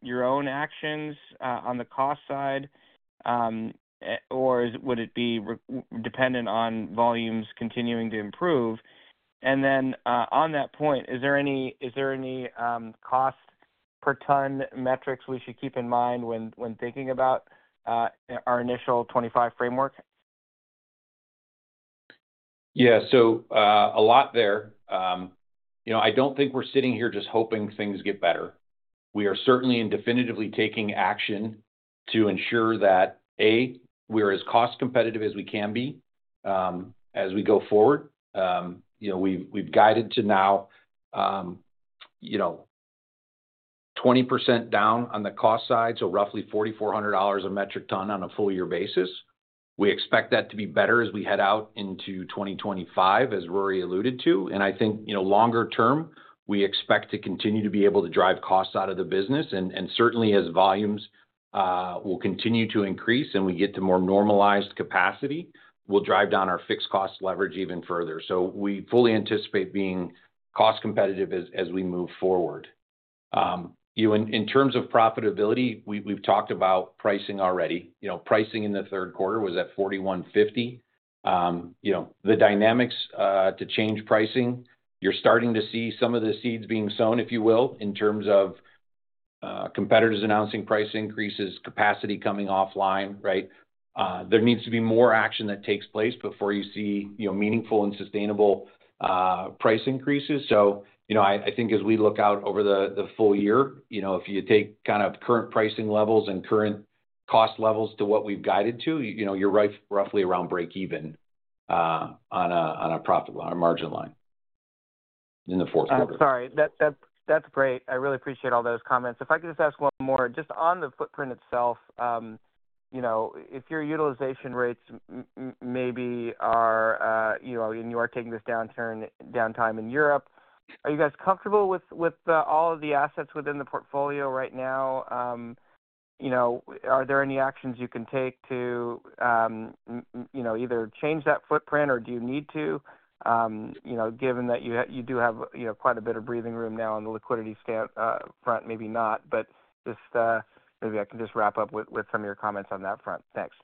your own actions on the cost side, or would it be dependent on volumes continuing to improve? And then on that point, is there any cost-per-ton metrics we should keep in mind when thinking about our initial 2025 framework? Yeah. So a lot there. I don't think we're sitting here just hoping things get better. We are certainly and definitively taking action to ensure that, A, we are as cost-competitive as we can be as we go forward. We've guided to now 20% down on the cost side, so roughly $4,400 a metric ton on a full-year basis. We expect that to be better as we head out into 2025, as Rory alluded to. And I think longer term, we expect to continue to be able to drive costs out of the business. And certainly, as volumes will continue to increase and we get to more normalized capacity, we'll drive down our fixed cost leverage even further. So we fully anticipate being cost-competitive as we move forward. In terms of profitability, we've talked about pricing already. Pricing in the third quarter was at 4,150. The dynamics to change pricing, you're starting to see some of the seeds being sown, if you will, in terms of competitors announcing price increases, capacity coming offline, right? There needs to be more action that takes place before you see meaningful and sustainable price increases. So I think as we look out over the full year, if you take kind of current pricing levels and current cost levels to what we've guided to, you're roughly around break-even on a profit margin line in the fourth quarter. I'm sorry. That's great. I really appreciate all those comments. If I could just ask one more, just on the footprint itself, if your utilization rates maybe are and you are taking this downtime in Europe, are you guys comfortable with all of the assets within the portfolio right now? Are there any actions you can take to either change that footprint, or do you need to, given that you do have quite a bit of breathing room now on the liquidity front? Maybe not, but maybe I can just wrap up with some of your comments on that front. Thanks.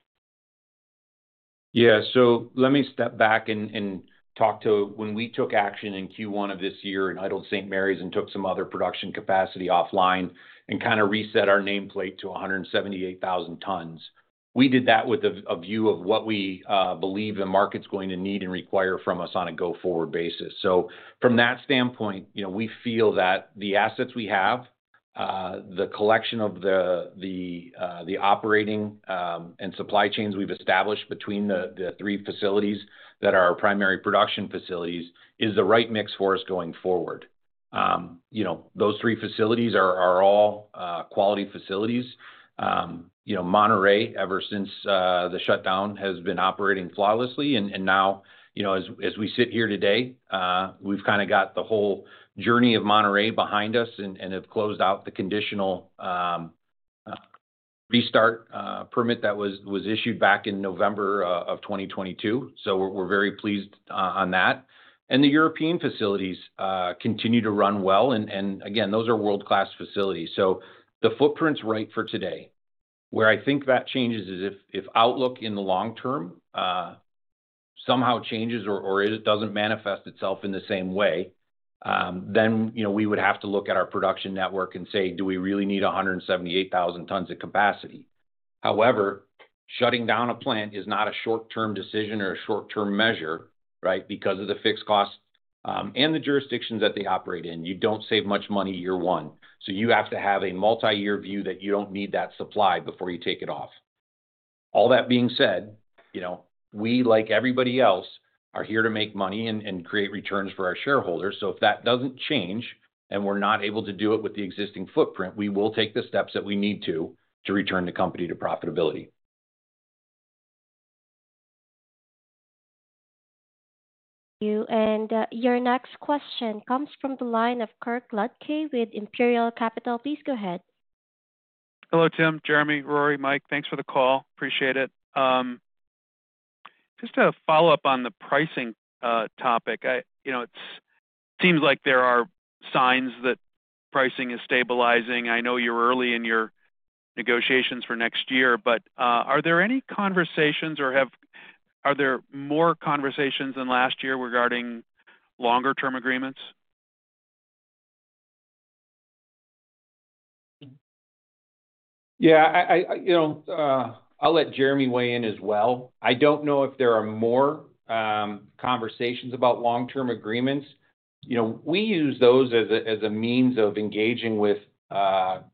Yeah. So let me step back and talk about when we took action in Q1 of this year and idled St. Marys and took some other production capacity offline and kind of reset our nameplate to 178,000 tons. We did that with a view of what we believe the market's going to need and require from us on a go-forward basis. So from that standpoint, we feel that the assets we have, the collection of the operating and supply chains we've established between the three facilities that are our primary production facilities is the right mix for us going forward. Those three facilities are all quality facilities. Monterrey, ever since the shutdown, has been operating flawlessly. And now, as we sit here today, we've kind of got the whole journey of Monterrey behind us and have closed out the conditional restart permit that was issued back in November of 2022. So we're very pleased on that. And the European facilities continue to run well. And again, those are world-class facilities. So the footprint's right for today. Where I think that changes is if outlook in the long term somehow changes or it doesn't manifest itself in the same way, then we would have to look at our production network and say, "Do we really need 178,000 tons of capacity?" However, shutting down a plant is not a short-term decision or a short-term measure, right? Because of the fixed costs and the jurisdictions that they operate in, you don't save much money year one. So you have to have a multi-year view that you don't need that supply before you take it off. All that being said, we, like everybody else, are here to make money and create returns for our shareholders. So if that doesn't change and we're not able to do it with the existing footprint, we will take the steps that we need to return the company to profitability. Thank you. And your next question comes from the line of Kirk Ludtke with Imperial Capital. Please go ahead. Hello, Tim, Jeremy, Rory, Mike. Thanks for the call. Appreciate it. Just to follow up on the pricing topic, it seems like there are signs that pricing is stabilizing. I know you're early in your negotiations for next year, but are there any conversations or are there more conversations than last year regarding longer-term agreements? Yeah. I'll let Jeremy weigh in as well. I don't know if there are more conversations about long-term agreements. We use those as a means of engaging with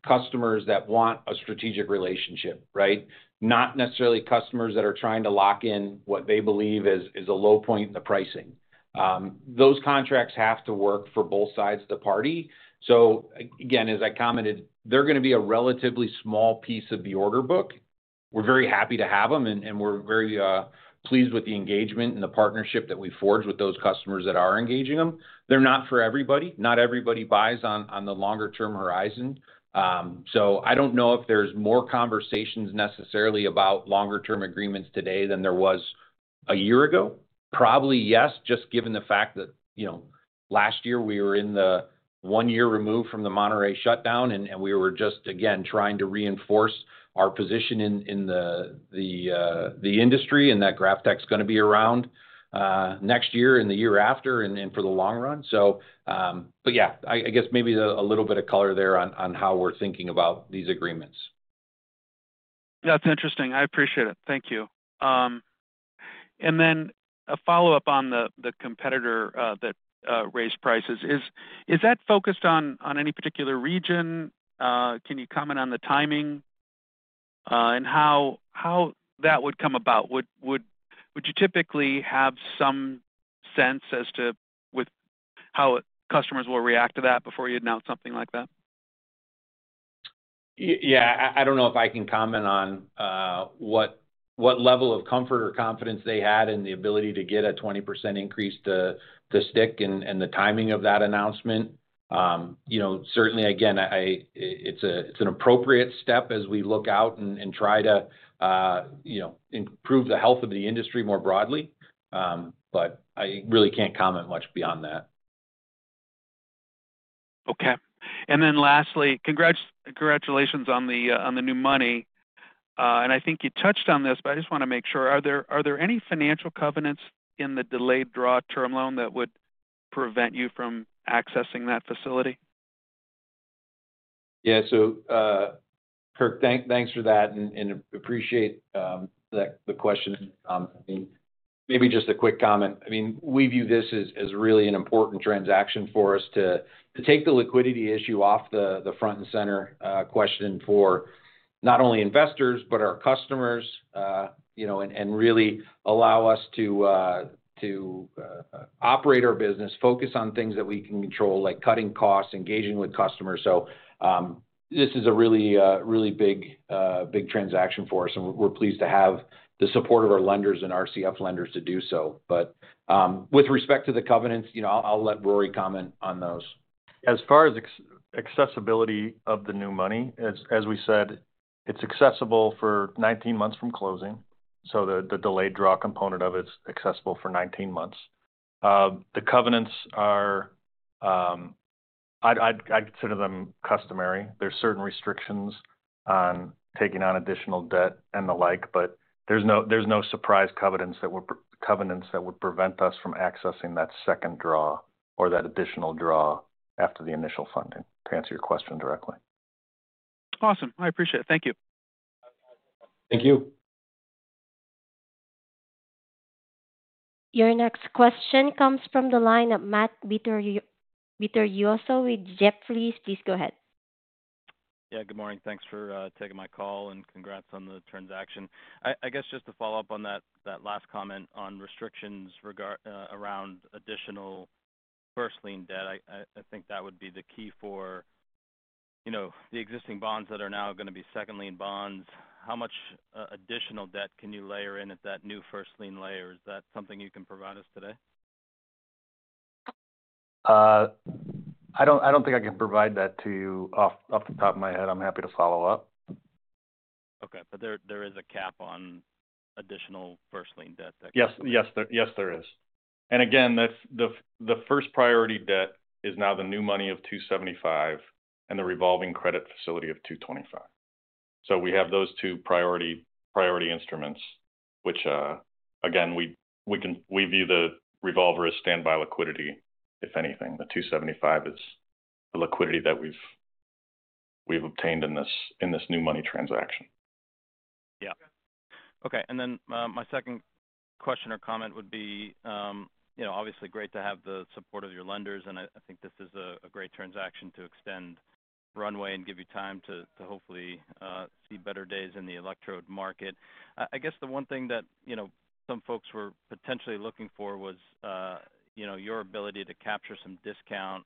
customers that want a strategic relationship, right? Not necessarily customers that are trying to lock in what they believe is a low point in the pricing. Those contracts have to work for both sides of the party. So again, as I commented, they're going to be a relatively small piece of the order book. We're very happy to have them, and we're very pleased with the engagement and the partnership that we've forged with those customers that are engaging them. They're not for everybody. Not everybody buys on the longer-term horizon. So I don't know if there's more conversations necessarily about longer-term agreements today than there was a year ago. Probably yes, just given the fact that last year we were in the one-year remove from the Monterrey shutdown, and we were just, again, trying to reinforce our position in the industry and that GrafTech's going to be around next year and the year after and for the long run. But yeah, I guess maybe a little bit of color there on how we're thinking about these agreements. That's interesting. I appreciate it. Thank you. And then a follow-up on the competitor that raised prices. Is that focused on any particular region? Can you comment on the timing and how that would come about? Would you typically have some sense as to how customers will react to that before you announce something like that? Yeah. I don't know if I can comment on what level of comfort or confidence they had in the ability to get a 20% increase to stick and the timing of that announcement. Certainly, again, it's an appropriate step as we look out and try to improve the health of the industry more broadly. But I really can't comment much beyond that. Okay. And then lastly, congratulations on the new money. And I think you touched on this, but I just want to make sure. Are there any financial covenants in the delayed draw term loan that would prevent you from accessing that facility? Yeah. So Kirk, thanks for that, and appreciate the question. Maybe just a quick comment. I mean, we view this as really an important transaction for us to take the liquidity issue off the front and center question for not only investors, but our customers, and really allow us to operate our business, focus on things that we can control, like cutting costs, engaging with customers. So this is a really big transaction for us, and we're pleased to have the support of our lenders and RCF lenders to do so. But with respect to the covenants, I'll let Rory comment on those. As far as accessibility of the new money, as we said, it's accessible for 19 months from closing. So the delayed draw component of it is accessible for 19 months. The covenants are, I consider them, customary. There's certain restrictions on taking on additional debt and the like, but there's no surprise covenants that would prevent us from accessing that second draw or that additional draw after the initial funding to answer your question directly. Awesome. I appreciate it. Thank you. Thank you. Your next question comes from the line of Matt Vittorioso with Jefferies, please. Please go ahead. Yeah. Good morning. Thanks for taking my call and congrats on the transaction. I guess just to follow up on that last comment on restrictions around additional first lien debt, I think that would be the key for the existing bonds that are now going to be second lien bonds. How much additional debt can you layer in at that new first lien layer? Is that something you can provide us today? I don't think I can provide that to you off the top of my head. I'm happy to follow up. Okay. But there is a cap on additional first lien debt that. Yes. Yes. Yes, there is. And again, the first priority debt is now the new money of $275 and the revolving credit facility of $225. So we have those two priority instruments, which, again, we view the revolver as standby liquidity, if anything. The $275 is the liquidity that we've obtained in this new money transaction. Yeah. Okay. And then my second question or comment would be, obviously, great to have the support of your lenders, and I think this is a great transaction to extend runway and give you time to hopefully see better days in the electrode market. I guess the one thing that some folks were potentially looking for was your ability to capture some discount.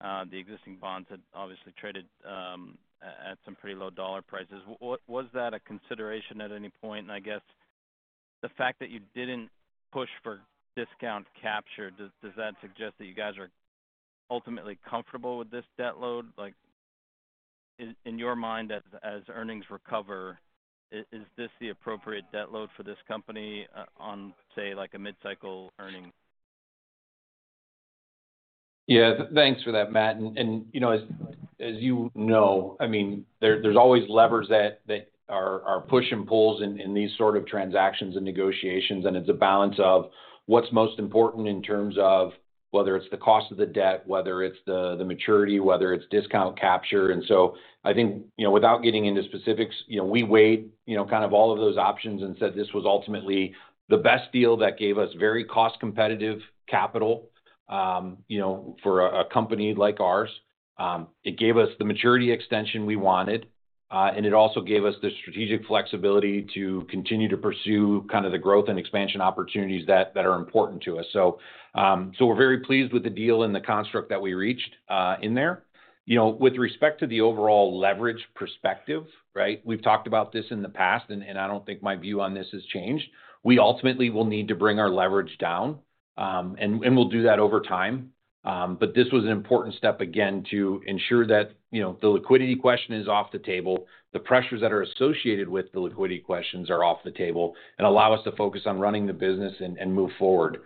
The existing bonds had obviously traded at some pretty low dollar prices. Was that a consideration at any point? And I guess the fact that you didn't push for discount capture, does that suggest that you guys are ultimately comfortable with this debt load? In your mind, as earnings recover, is this the appropriate debt load for this company on, say, a mid-cycle earnings? Yeah. Thanks for that, Matt. And as you know, I mean, there's always levers that are push and pulls in these sort of transactions and negotiations, and it's a balance of what's most important in terms of whether it's the cost of the debt, whether it's the maturity, whether it's discount capture. And so I think without getting into specifics, we weighed kind of all of those options and said this was ultimately the best deal that gave us very cost-competitive capital for a company like ours. It gave us the maturity extension we wanted, and it also gave us the strategic flexibility to continue to pursue kind of the growth and expansion opportunities that are important to us. So we're very pleased with the deal and the construct that we reached in there. With respect to the overall leverage perspective, right, we've talked about this in the past, and I don't think my view on this has changed. We ultimately will need to bring our leverage down, and we'll do that over time. But this was an important step, again, to ensure that the liquidity question is off the table, the pressures that are associated with the liquidity questions are off the table, and allow us to focus on running the business and move forward.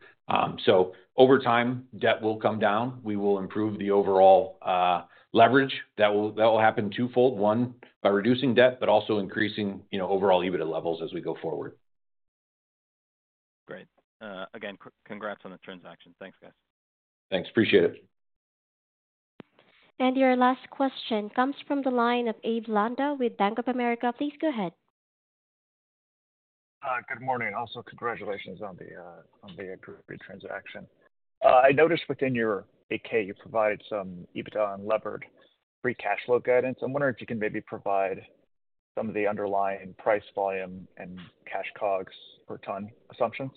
So over time, debt will come down. We will improve the overall leverage. That will happen twofold. One, by reducing debt, but also increasing overall EBITDA levels as we go forward. Great. Again, congrats on the transaction. Thanks, guys. Thanks. Appreciate it. Your last question comes from the line of Abe Landa with Bank of America. Please go ahead. Good morning. Also, congratulations on the appropriate transaction. I noticed within your 8-K, you provided some EBITDA and leverage pre-cash flow guidance. I'm wondering if you can maybe provide some of the underlying price volume and cash COGS per ton assumptions.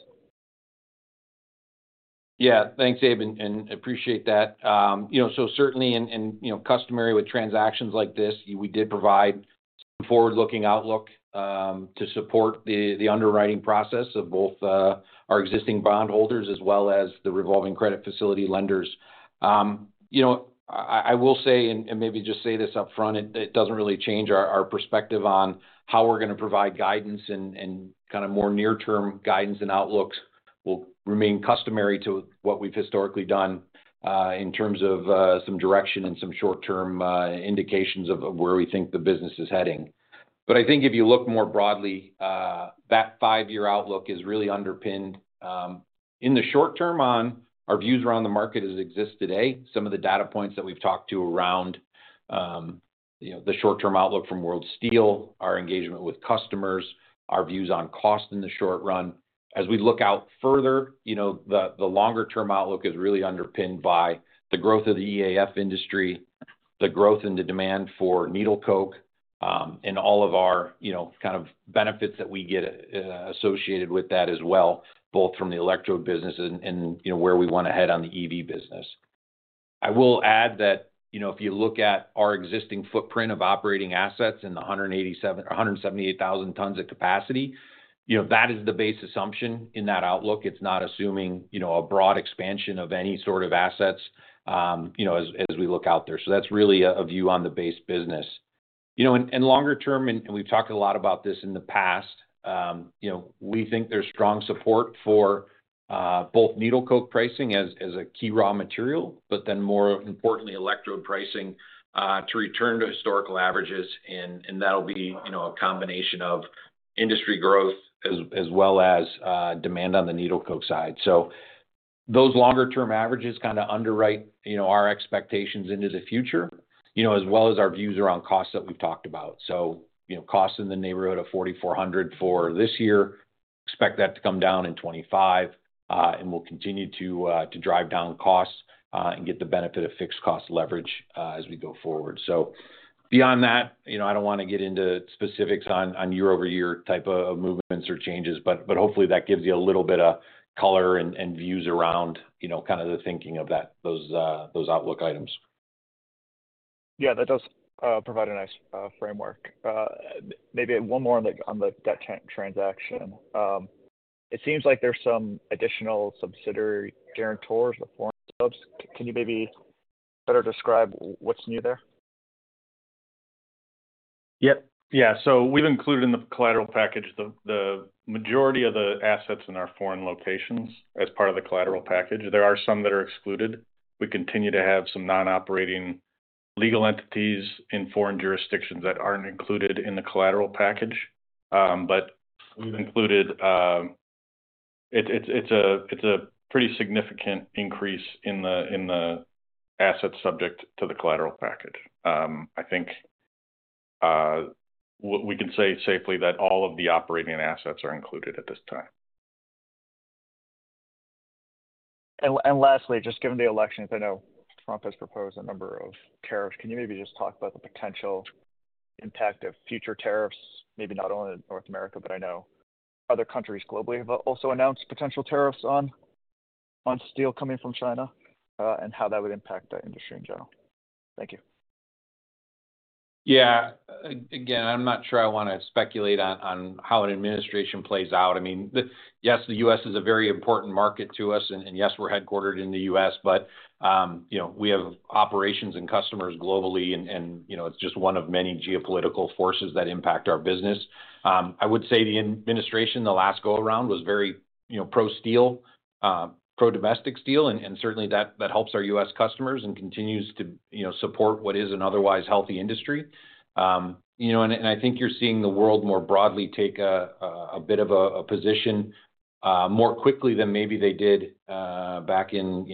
Yeah. Thanks, Abe. And appreciate that. So certainly, as customary with transactions like this, we did provide some forward-looking outlook to support the underwriting process of both our existing bondholders as well as the revolving credit facility lenders. I will say, and maybe just say this upfront, it doesn't really change our perspective on how we're going to provide guidance and kind of more near-term guidance and outlooks. We'll remain customary to what we've historically done in terms of some direction and some short-term indications of where we think the business is heading. But I think if you look more broadly, that five-year outlook is really underpinned in the short term on our views around the market as it exists today, some of the data points that we've talked to around the short-term outlook from World Steel, our engagement with customers, our views on cost in the short run. As we look out further, the longer-term outlook is really underpinned by the growth of the EAF industry, the growth in the demand for needle coke, and all of our kind of benefits that we get associated with that as well, both from the electrode business and where we want to head on the EV business. I will add that if you look at our existing footprint of operating assets and the 178,000 tons of capacity, that is the base assumption in that outlook. It's not assuming a broad expansion of any sort of assets as we look out there. So that's really a view on the base business. Longer-term, and we've talked a lot about this in the past, we think there's strong support for both needle coke pricing as a key raw material, but then more importantly, electrode pricing to return to historical averages, and that'll be a combination of industry growth as well as demand on the needle coke side. Those longer-term averages kind of underwrite our expectations into the future as well as our views around costs that we've talked about. Costs in the neighborhood of 4,400 for this year, expect that to come down in 2025, and we'll continue to drive down costs and get the benefit of fixed cost leverage as we go forward. So beyond that, I don't want to get into specifics on year-over-year type of movements or changes, but hopefully that gives you a little bit of color and views around kind of the thinking of those outlook items. Yeah. That does provide a nice framework. Maybe one more on the debt transaction. It seems like there's some additional subsidiary guarantors, the foreign subs. Can you maybe better describe what's new there? Yep. Yeah. So we've included in the collateral package the majority of the assets in our foreign locations as part of the collateral package. There are some that are excluded. We continue to have some non-operating legal entities in foreign jurisdictions that aren't included in the collateral package, but we've included. It's a pretty significant increase in the assets subject to the collateral package. I think we can say safely that all of the operating assets are included at this time. And lastly, just given the election, I know Trump has proposed a number of tariffs. Can you maybe just talk about the potential impact of future tariffs, maybe not only in North America, but I know other countries globally have also announced potential tariffs on steel coming from China and how that would impact the industry in general? Thank you. Yeah. Again, I'm not sure I want to speculate on how an administration plays out. I mean, yes, the U.S. is a very important market to us, and yes, we're headquartered in the U.S., but we have operations and customers globally, and it's just one of many geopolitical forces that impact our business. I would say the administration, the last go-around, was very pro steel, pro domestic steel, and certainly that helps our U.S. customers and continues to support what is an otherwise healthy industry. And I think you're seeing the world more broadly take a bit of a position more quickly than maybe they did back in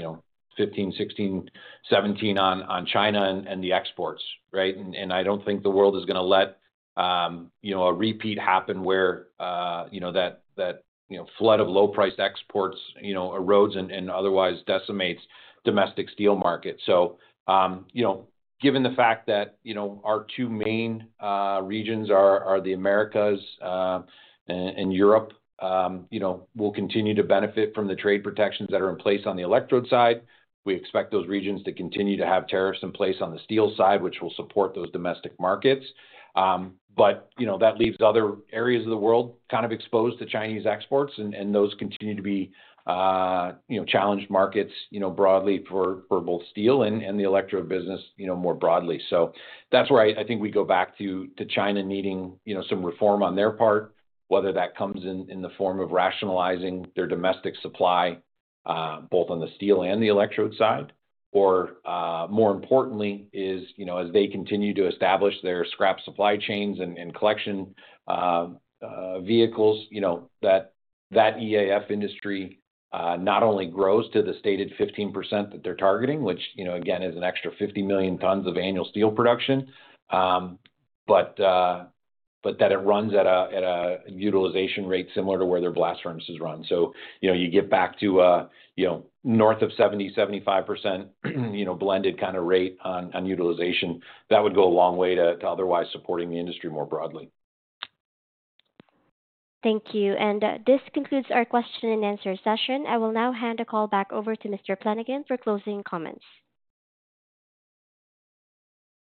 2015, 2016, 2017 on China and the exports, right? And I don't think the world is going to let a repeat happen where that flood of low-priced exports erodes and otherwise decimates domestic steel market. So given the fact that our two main regions are the Americas and Europe, we'll continue to benefit from the trade protections that are in place on the electrode side. We expect those regions to continue to have tariffs in place on the steel side, which will support those domestic markets. But that leaves other areas of the world kind of exposed to Chinese exports, and those continue to be challenged markets broadly for both steel and the electrode business more broadly. That's where I think we go back to China needing some reform on their part, whether that comes in the form of rationalizing their domestic supply, both on the steel and the electrode side, or more importantly, as they continue to establish their scrap supply chains and collection vehicles, that EAF industry not only grows to the stated 15% that they're targeting, which, again, is an extra 50 million tons of annual steel production, but that it runs at a utilization rate similar to where their blast furnaces run. You get back to north of 70%-75% blended kind of rate on utilization. That would go a long way to otherwise supporting the industry more broadly. Thank you. This concludes our question and answer session. I will now hand the call back over to Mr. Flanagan for closing comments.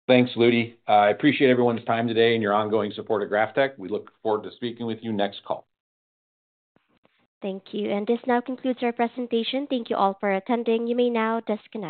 Thanks, Ludke. I appreciate everyone's time today and your ongoing support of GrafTech. We look forward to speaking with you next call. Thank you. And this now concludes our presentation. Thank you all for attending. You may now disconnect.